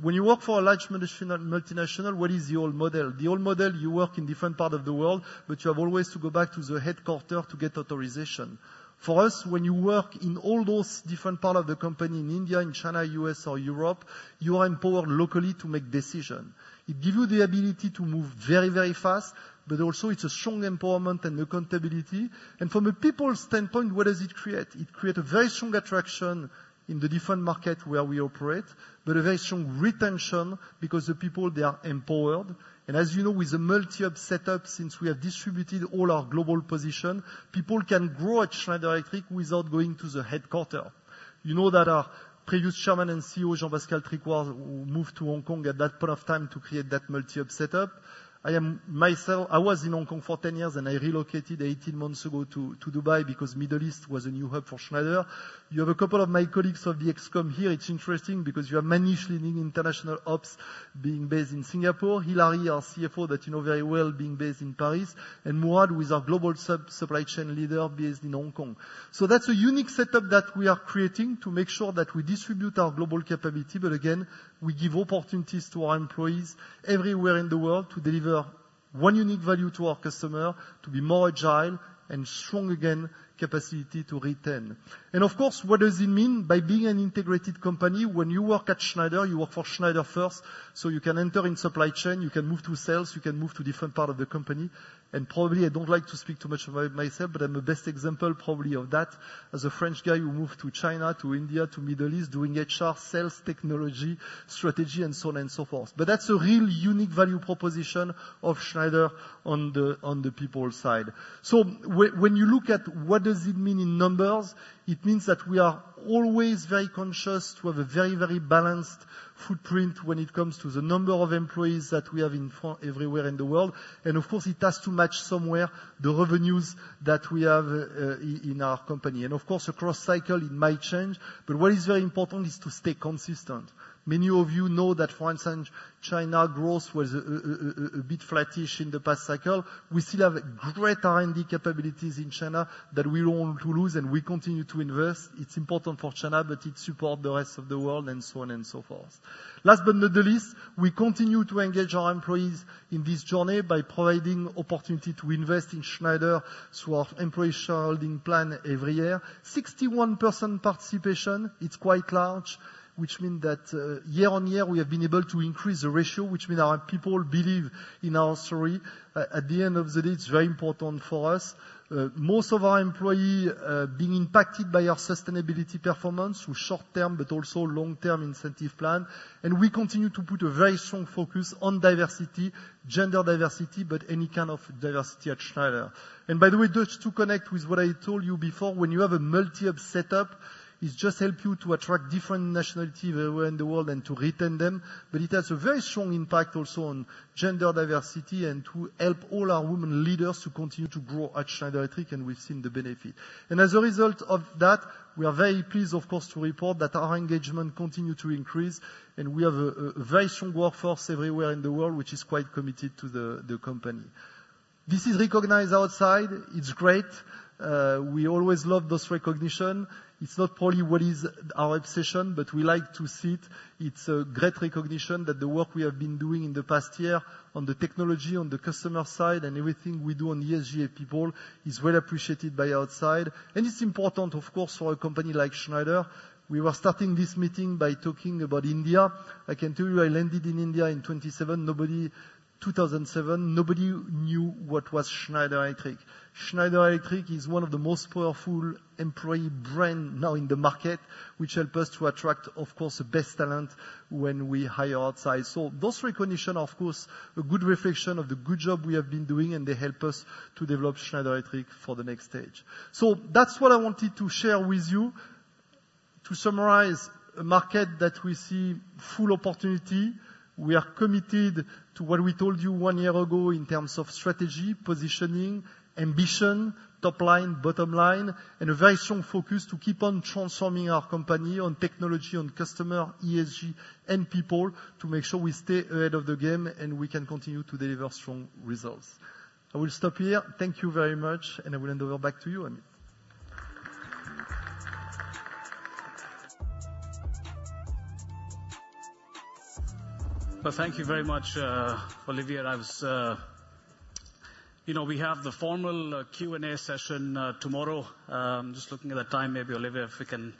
When you work for a large multinational, what is the old model? The old model, you work in different parts of the world, but you have always to go back to the headquarters to get authorization. For us, when you work in all those different parts of the company in India, in China, U.S., or Europe, you are empowered locally to make decisions. It gives you the ability to move very, very fast, but also it's a strong empowerment and accountability, and from a people standpoint, what does it create? It creates a very strong attraction in the different markets where we operate, but a very strong retention because the people, they are empowered. As you know, with the Multi-Hub setup, since we have distributed all our global positions, people can grow at Schneider Electric without going to the headquarters. You know that our previous Chairman and CEO, Jean-Pascal Tricoire, moved to Hong Kong at that point of time to create that multi-hub setup. I was in Hong Kong for 10 years, and I relocated 18 months ago to Dubai because the Middle East was a new hub for Schneider. You have a couple of my colleagues from the ExCom here. It's interesting because you have Manish leading International ops being based in Singapore, Hilary, our CFO that you know very well, being based in Paris, and Mourad, who is our global supply chain leader based in Hong Kong. That's a unique setup that we are creating to make sure that we distribute our global capability, but again, we give opportunities to our employees everywhere in the world to deliver one unique value to our customers, to be more agile and strong again, capacity to retain. Of course, what does it mean by being an integrated company? When you work at Schneider, you work for Schneider first, so you can enter in supply chain, you can move to sales, you can move to different parts of the company. Probably, I don't like to speak too much about myself, but I'm the best example probably of that as a French guy who moved to China, to India, to the Middle East doing HR, sales, technology, strategy, and so on and so forth. That's a real unique value proposition of Schneider on the people side. So when you look at what does it mean in numbers, it means that we are always very conscious to have a very, very balanced footprint when it comes to the number of employees that we have everywhere in the world. And of course, it has to match somewhere the revenues that we have in our company. And of course, the growth cycle, it might change, but what is very important is to stay consistent. Many of you know that, for instance, China growth was a bit flattish in the past cycle. We still have great R&D capabilities in China that we don't want to lose, and we continue to invest. It's important for China, but it supports the rest of the world and so on and so forth. Last but not the least, we continue to engage our employees in this journey by providing opportunities to invest in Schneider through our employee shareholding plan every year. 61% participation, it's quite large, which means that year on year, we have been able to increase the ratio, which means our people believe in our story. At the end of the day, it's very important for us. Most of our employees are being impacted by our sustainability performance through short-term but also long-term incentive plans. And we continue to put a very strong focus on diversity, gender diversity, but any kind of diversity at Schneider. And by the way, just to connect with what I told you before, when you have a Multi-Hub setup, it just helps you to attract different nationalities everywhere in the world and to retain them. But it has a very strong impact also on gender diversity and to help all our women leaders to continue to grow at Schneider Electric, and we've seen the benefit. And as a result of that, we are very pleased, of course, to report that our engagement continues to increase, and we have a very strong workforce everywhere in the world, which is quite committed to the company. This is recognized outside. It's great. We always love this recognition. It's not probably what is our obsession, but we like to see it. It's a great recognition that the work we have been doing in the past year on the technology, on the customer side, and everything we do on ESG and people is well appreciated by outside. And it's important, of course, for a company like Schneider. We were starting this meeting by talking about India. I can tell you, I landed in India in 2007. Nobody knew what was Schneider Electric. Schneider Electric is one of the most powerful employer brands now in the market, which helps us to attract, of course, the best talent when we hire outside. So those recognitions, of course, are a good reflection of the good job we have been doing, and they help us to develop Schneider Electric for the next stage. So that's what I wanted to share with you. To summarize, a market that we see full opportunity. We are committed to what we told you one year ago in terms of strategy, positioning, ambition, top line, bottom line, and a very strong focus to keep on transforming our company on technology, on customer, ESG, and people to make sure we stay ahead of the game and we can continue to deliver strong results. I will stop here. Thank you very much, and I will hand over back to you, Amit. Well, thank you very much, Olivier. We have the formal Q&A session tomorrow. I'm just looking at the time. Maybe, Olivier, if we can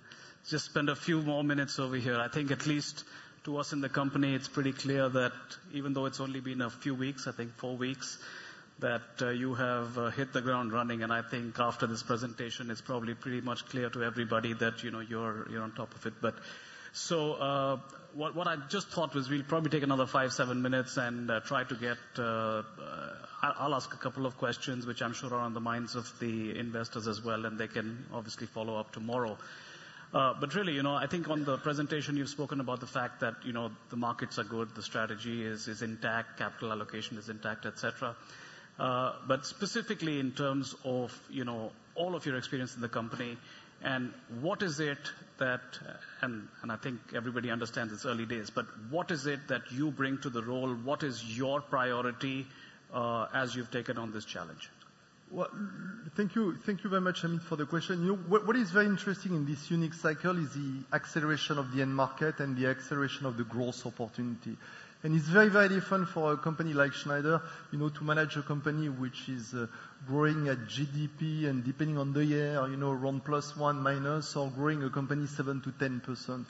just spend a few more minutes over here. I think at least to us in the company, it's pretty clear that even though it's only been a few weeks, I think four weeks, that you have hit the ground running. And I think after this presentation, it's probably pretty much clear to everybody that you're on top of it. So what I just thought was we'll probably take another five, seven minutes and try to get. I'll ask a couple of questions, which I'm sure are on the minds of the investors as well, and they can obviously follow up tomorrow. But really, I think on the presentation, you've spoken about the fact that the markets are good, the strategy is intact, capital allocation is intact, etc. But specifically in terms of all of your experience in the company, and what is it that, and I think everybody understands it's early days, but what is it that you bring to the role? What is your priority as you've taken on this challenge? Thank you very much, Amit, for the question. What is very interesting in this unique cycle is the acceleration of the end market and the acceleration of the growth opportunity. And it's very, very different for a company like Schneider to manage a company which is growing at GDP and depending on the year, around plus one, minus, or growing a company 7%-10%.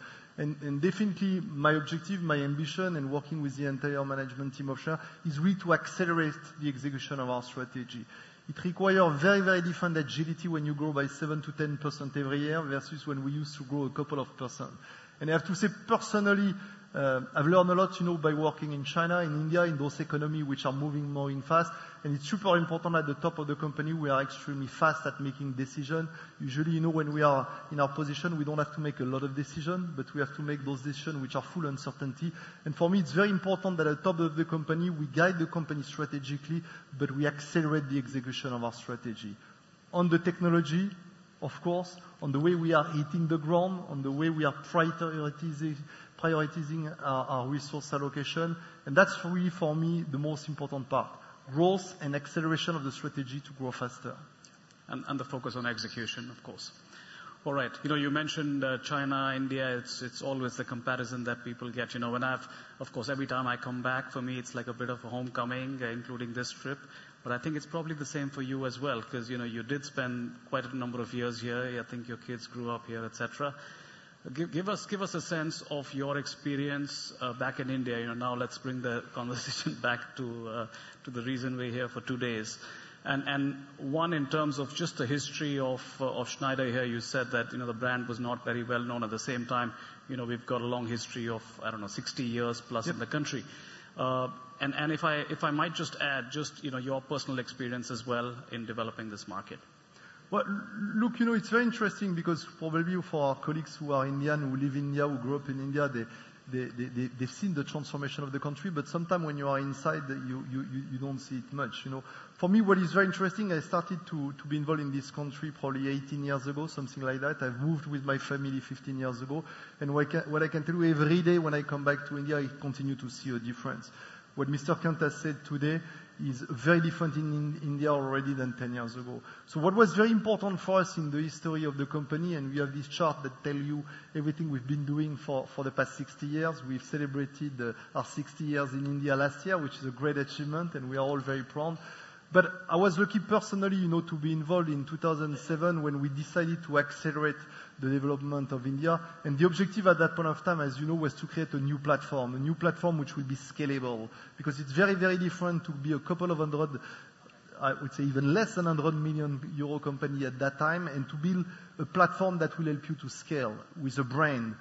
Definitely, my objective, my ambition, and working with the entire management team of Schneider is really to accelerate the execution of our strategy. It requires very, very different agility when you grow by 7%-10% every year versus when we used to grow a couple of percent. I have to say, personally, I've learned a lot by working in China, in India, in those economies which are moving more fast. It's super important at the top of the company. We are extremely fast at making decisions. Usually, when we are in our position, we don't have to make a lot of decisions, but we have to make those decisions which are full of uncertainty. For me, it's very important that at the top of the company, we guide the company strategically, but we accelerate the execution of our strategy. On the technology, of course, on the way we are hitting the ground, on the way we are prioritizing our resource allocation. And that's really, for me, the most important part: growth and acceleration of the strategy to grow faster. And the focus on execution, of course. All right. You mentioned China, India. It's always the comparison that people get. When I've, of course, every time I come back, for me, it's like a bit of a homecoming, including this trip. But I think it's probably the same for you as well because you did spend quite a number of years here. I think your kids grew up here, etc. Give us a sense of your experience back in India. Now, let's bring the conversation back to the reason we're here for two days. And one, in terms of just the history of Schneider here, you said that the brand was not very well known. At the same time, we've got a long history of, I don't know, 60 years plus in the country. And if I might just add, just your personal experience as well in developing this market. Well, look, it's very interesting because probably for our colleagues who are Indian, who live in India, who grew up in India, they've seen the transformation of the country. But sometimes when you are inside, you don't see it much. For me, what is very interesting, I started to be involved in this country probably 18 years ago, something like that. I've moved with my family 15 years ago. And what I can tell you, every day when I come back to India, I continue to see a difference. What Mr. Kant has said today is very different in India already than 10 years ago. So what was very important for us in the history of the company, and we have this chart that tells you everything we've been doing for the past 60 years. We've celebrated our 60 years in India last year, which is a great achievement, and we are all very proud. But I was lucky personally to be involved in 2007 when we decided to accelerate the development of India. The objective at that point of time, as you know, was to create a new platform, a new platform which would be scalable because it's very, very different to be a couple of hundred, I would say even less than 100 million euro company at that time, and to build a platform that will help you to scale with a brand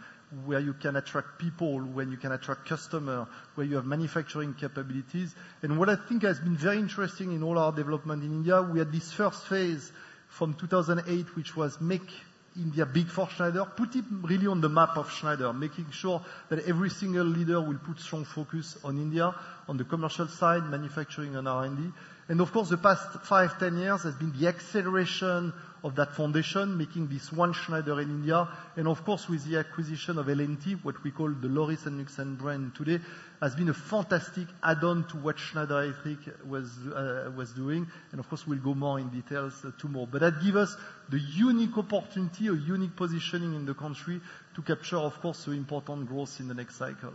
where you can attract people, where you can attract customers, where you have manufacturing capabilities. What I think has been very interesting in all our development in India, we had this first phase from 2008, which was Make India Big for Schneider, put it really on the map of Schneider, making sure that every single leader will put strong focus on India, on the commercial side, manufacturing, and R&D. Of course, the past five, 10 years has been the acceleration of that foundation, making this One Schneider in India. Of course, with the acquisition of L&T, what we call the Lauritz Knudsen brand today, has been a fantastic add-on to what Schneider, I think, was doing. Of course, we'll go more in details tomorrow. But that gives us the unique opportunity, a unique positioning in the country to capture, of course, the important growth in the next cycle.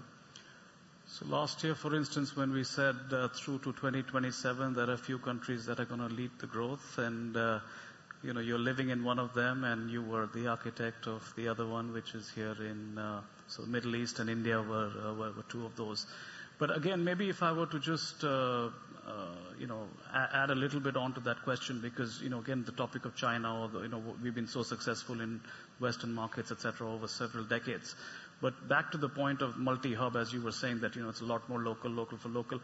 Last year, for instance, when we said through to 2027, there are a few countries that are going to lead the growth, and you're living in one of them, and you were the architect of the other one, which is here in the Middle East, and India were two of those. But again, maybe if I were to just add a little bit onto that question because, again, the topic of China, we've been so successful in Western markets, etc., over several decades. But back to the point of multi-hub, as you were saying, that it's a lot more local, local for local.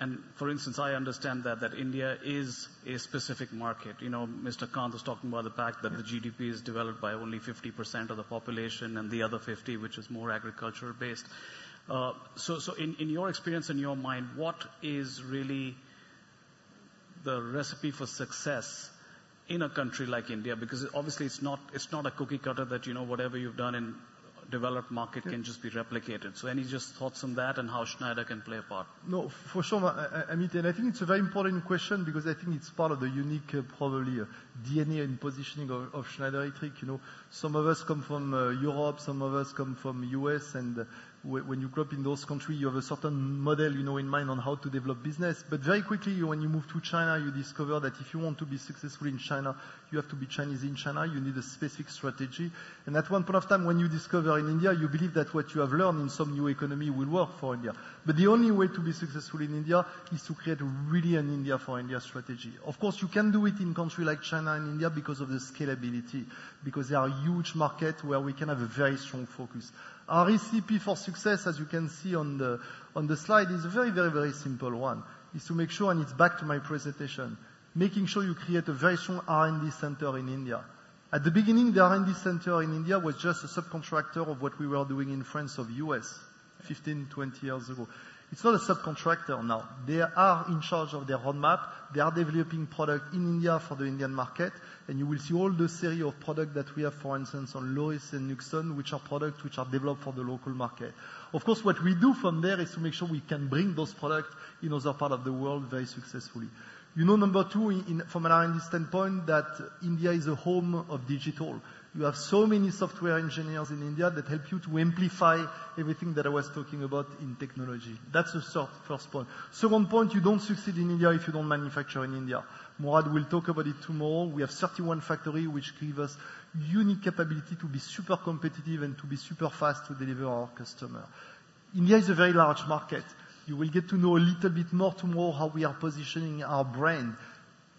And for instance, I understand that India is a specific market. Mr. Kant was talking about the fact that the GDP is developed by only 50% of the population and the other 50, which is more agriculture-based. So in your experience, in your mind, what is really the recipe for success in a country like India? Because obviously, it's not a cookie cutter that whatever you've done in developed market can just be replicated. So any just thoughts on that and how Schneider can play a part? No, for sure, Amit. And I think it's a very important question because I think it's part of the unique probably DNA and positioning of Schneider Electric. Some of us come from Europe, some of us come from the U.S., and when you grow up in those countries, you have a certain model in mind on how to develop business. But very quickly, when you move to China, you discover that if you want to be successful in China, you have to be Chinese in China. You need a specific strategy. And at one point of time, when you discover in India, you believe that what you have learned in some new economy will work for India. But the only way to be successful in India is to create really an India for India strategy. Of course, you can do it in countries like China and India because of the scalability, because there are huge markets where we can have a very strong focus. Our recipe for success, as you can see on the slide, is a very, very, very simple one. It's to make sure, and it's back to my presentation, making sure you create a very strong R&D center in India. At the beginning, the R&D center in India was just a subcontractor of what we were doing in France or the U.S. 15, 20 years ago. It's not a subcontractor now. They are in charge of their roadmap. They are developing products in India for the Indian market, and you will see all the series of products that we have, for instance, on Lauritz Knudsen, which are products which are developed for the local market. Of course, what we do from there is to make sure we can bring those products in other parts of the world very successfully. Number two, from an R&D standpoint, that India is a home of digital. You have so many software engineers in India that help you to amplify everything that I was talking about in technology. That's the first point. Second point, you don't succeed in India if you don't manufacture in India. Mourad will talk about it tomorrow. We have 31 factories, which give us unique capability to be super competitive and to be super fast to deliver our customers. India is a very large market. You will get to know a little bit more tomorrow how we are positioning our brand.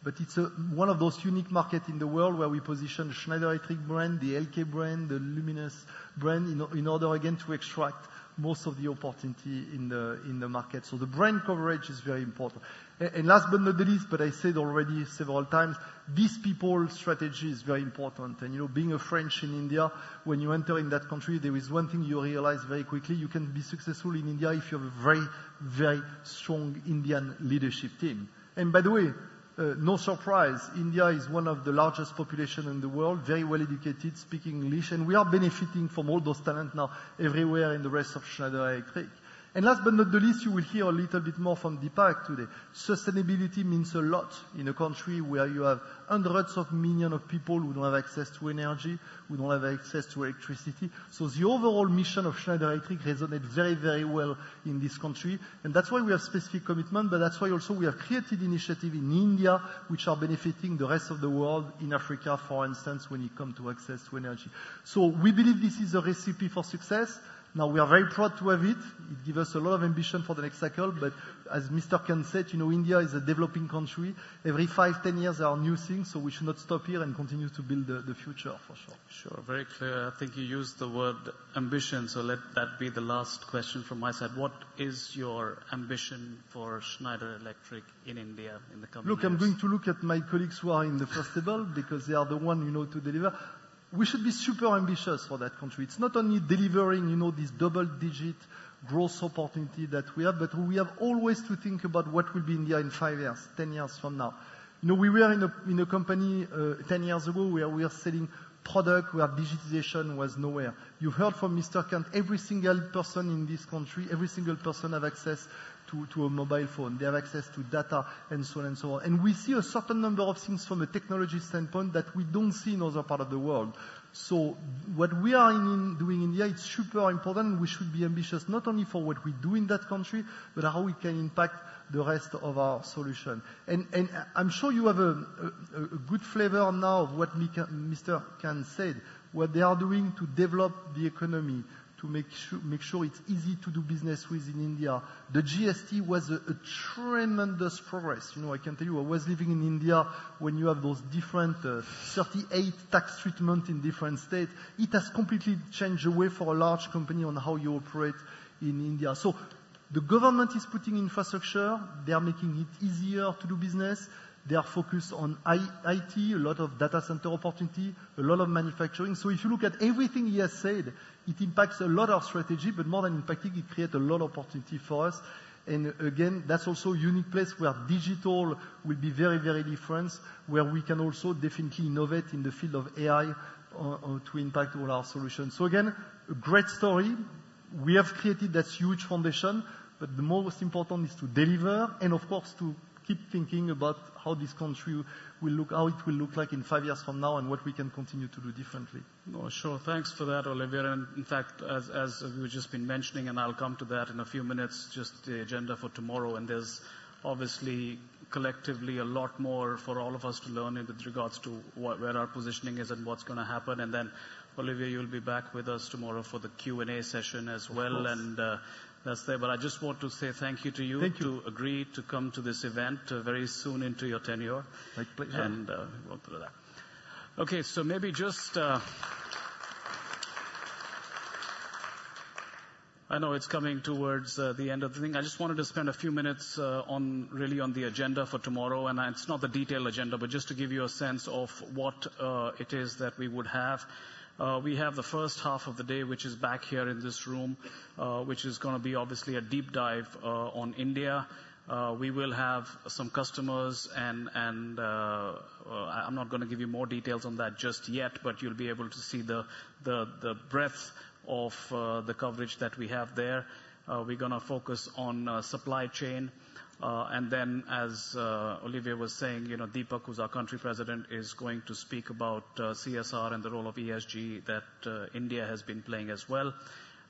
But it's one of those unique markets in the world where we position the Schneider Electric brand, the LK brand, the Luminous brand in order, again, to extract most of the opportunity in the market. So the brand coverage is very important. And last but not the least, but I said already several times, this people strategy is very important. And being a French in India, when you enter in that country, there is one thing you realize very quickly: you can be successful in India if you have a very, very strong Indian leadership team. And by the way, no surprise, India is one of the largest populations in the world, very well educated, speaking English, and we are benefiting from all those talents now everywhere in the rest of Schneider Electric. And last but not the least, you will hear a little bit more from Deepak today. Sustainability means a lot in a country where you have hundreds of millions of people who don't have access to energy, who don't have access to electricity. So the overall mission of Schneider Electric resonates very, very well in this country. And that's why we have specific commitment, but that's why also we have created initiatives in India which are benefiting the rest of the world in Africa, for instance, when it comes to access to energy. So we believe this is a recipe for success. Now, we are very proud to have it. It gives us a lot of ambition for the next cycle. But as Mr. Kant said, India is a developing country. Every five, 10 years, there are new things, so we should not stop here and continue to build the future for sure. Sure. Very clear. I think you used the word ambition, so let that be the last question from my side. What is your ambition for Schneider Electric in India in the coming years? Look, I'm going to look at my colleagues who are in the festival because they are the ones to deliver. We should be super ambitious for that country. It's not only delivering this double-digit growth opportunity that we have, but we have always to think about what will be India in five years, 10 years from now. We were in a company 10 years ago where we were selling products where digitization was nowhere. You've heard from Mr. Kant, every single person in this country, every single person has access to a mobile phone. They have access to data and so on and so on. We see a certain number of things from a technology standpoint that we don't see in other parts of the world. What we are doing in India, it's super important, and we should be ambitious not only for what we do in that country, but how we can impact the rest of our solution. I'm sure you have a good flavor now of what Mr. Kant said, what they are doing to develop the economy, to make sure it's easy to do business with in India. The GST was a tremendous progress. I can tell you, I was living in India when you have those different 38 tax treatments in different states. It has completely changed the way for a large company on how you operate in India. The government is putting infrastructure. They are making it easier to do business. They are focused on IT, a lot of data center opportunity, a lot of manufacturing. So if you look at everything he has said, it impacts a lot of strategy, but more than impacting, it creates a lot of opportunity for us. And again, that's also a unique place where digital will be very, very different, where we can also definitely innovate in the field of AI to impact all our solutions. So again, a great story. We have created that huge foundation, but the most important is to deliver and, of course, to keep thinking about how this country will look, how it will look like in five years from now and what we can continue to do differently. No, sure. Thanks for that, Olivier. And in fact, as we've just been mentioning, and I'll come to that in a few minutes, just the agenda for tomorrow. And there's obviously collectively a lot more for all of us to learn in regards to where our positioning is and what's going to happen. And then, Olivier, you'll be back with us tomorrow for the Q&A session as well. And that's there. But I just want to say thank you to you to agree to come to this event very soon into your tenure. And we'll go through that. Okay. So maybe just I know it's coming towards the end of the thing. I just wanted to spend a few minutes really on the agenda for tomorrow. And it's not the detailed agenda, but just to give you a sense of what it is that we would have. We have the first half of the day, which is back here in this room, which is going to be obviously a deep dive on India. We will have some customers, and I'm not going to give you more details on that just yet, but you'll be able to see the breadth of the coverage that we have there. We're going to focus on supply chain. And then, as Olivier was saying, Deepak, who's our country president, is going to speak about CSR and the role of ESG that India has been playing as well.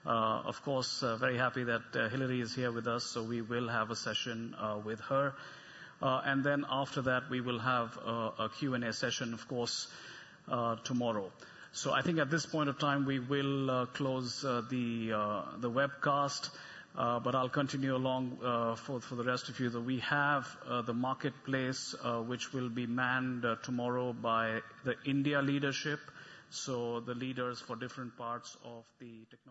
Of course, very happy that Hilary is here with us, so we will have a session with her. And then after that, we will have a Q&A session, of course, tomorrow. So I think at this point of time, we will close the webcast, but I'll continue along for the rest of you. We have the marketplace, which will be manned tomorrow by the India leadership, so the leaders for different parts of the.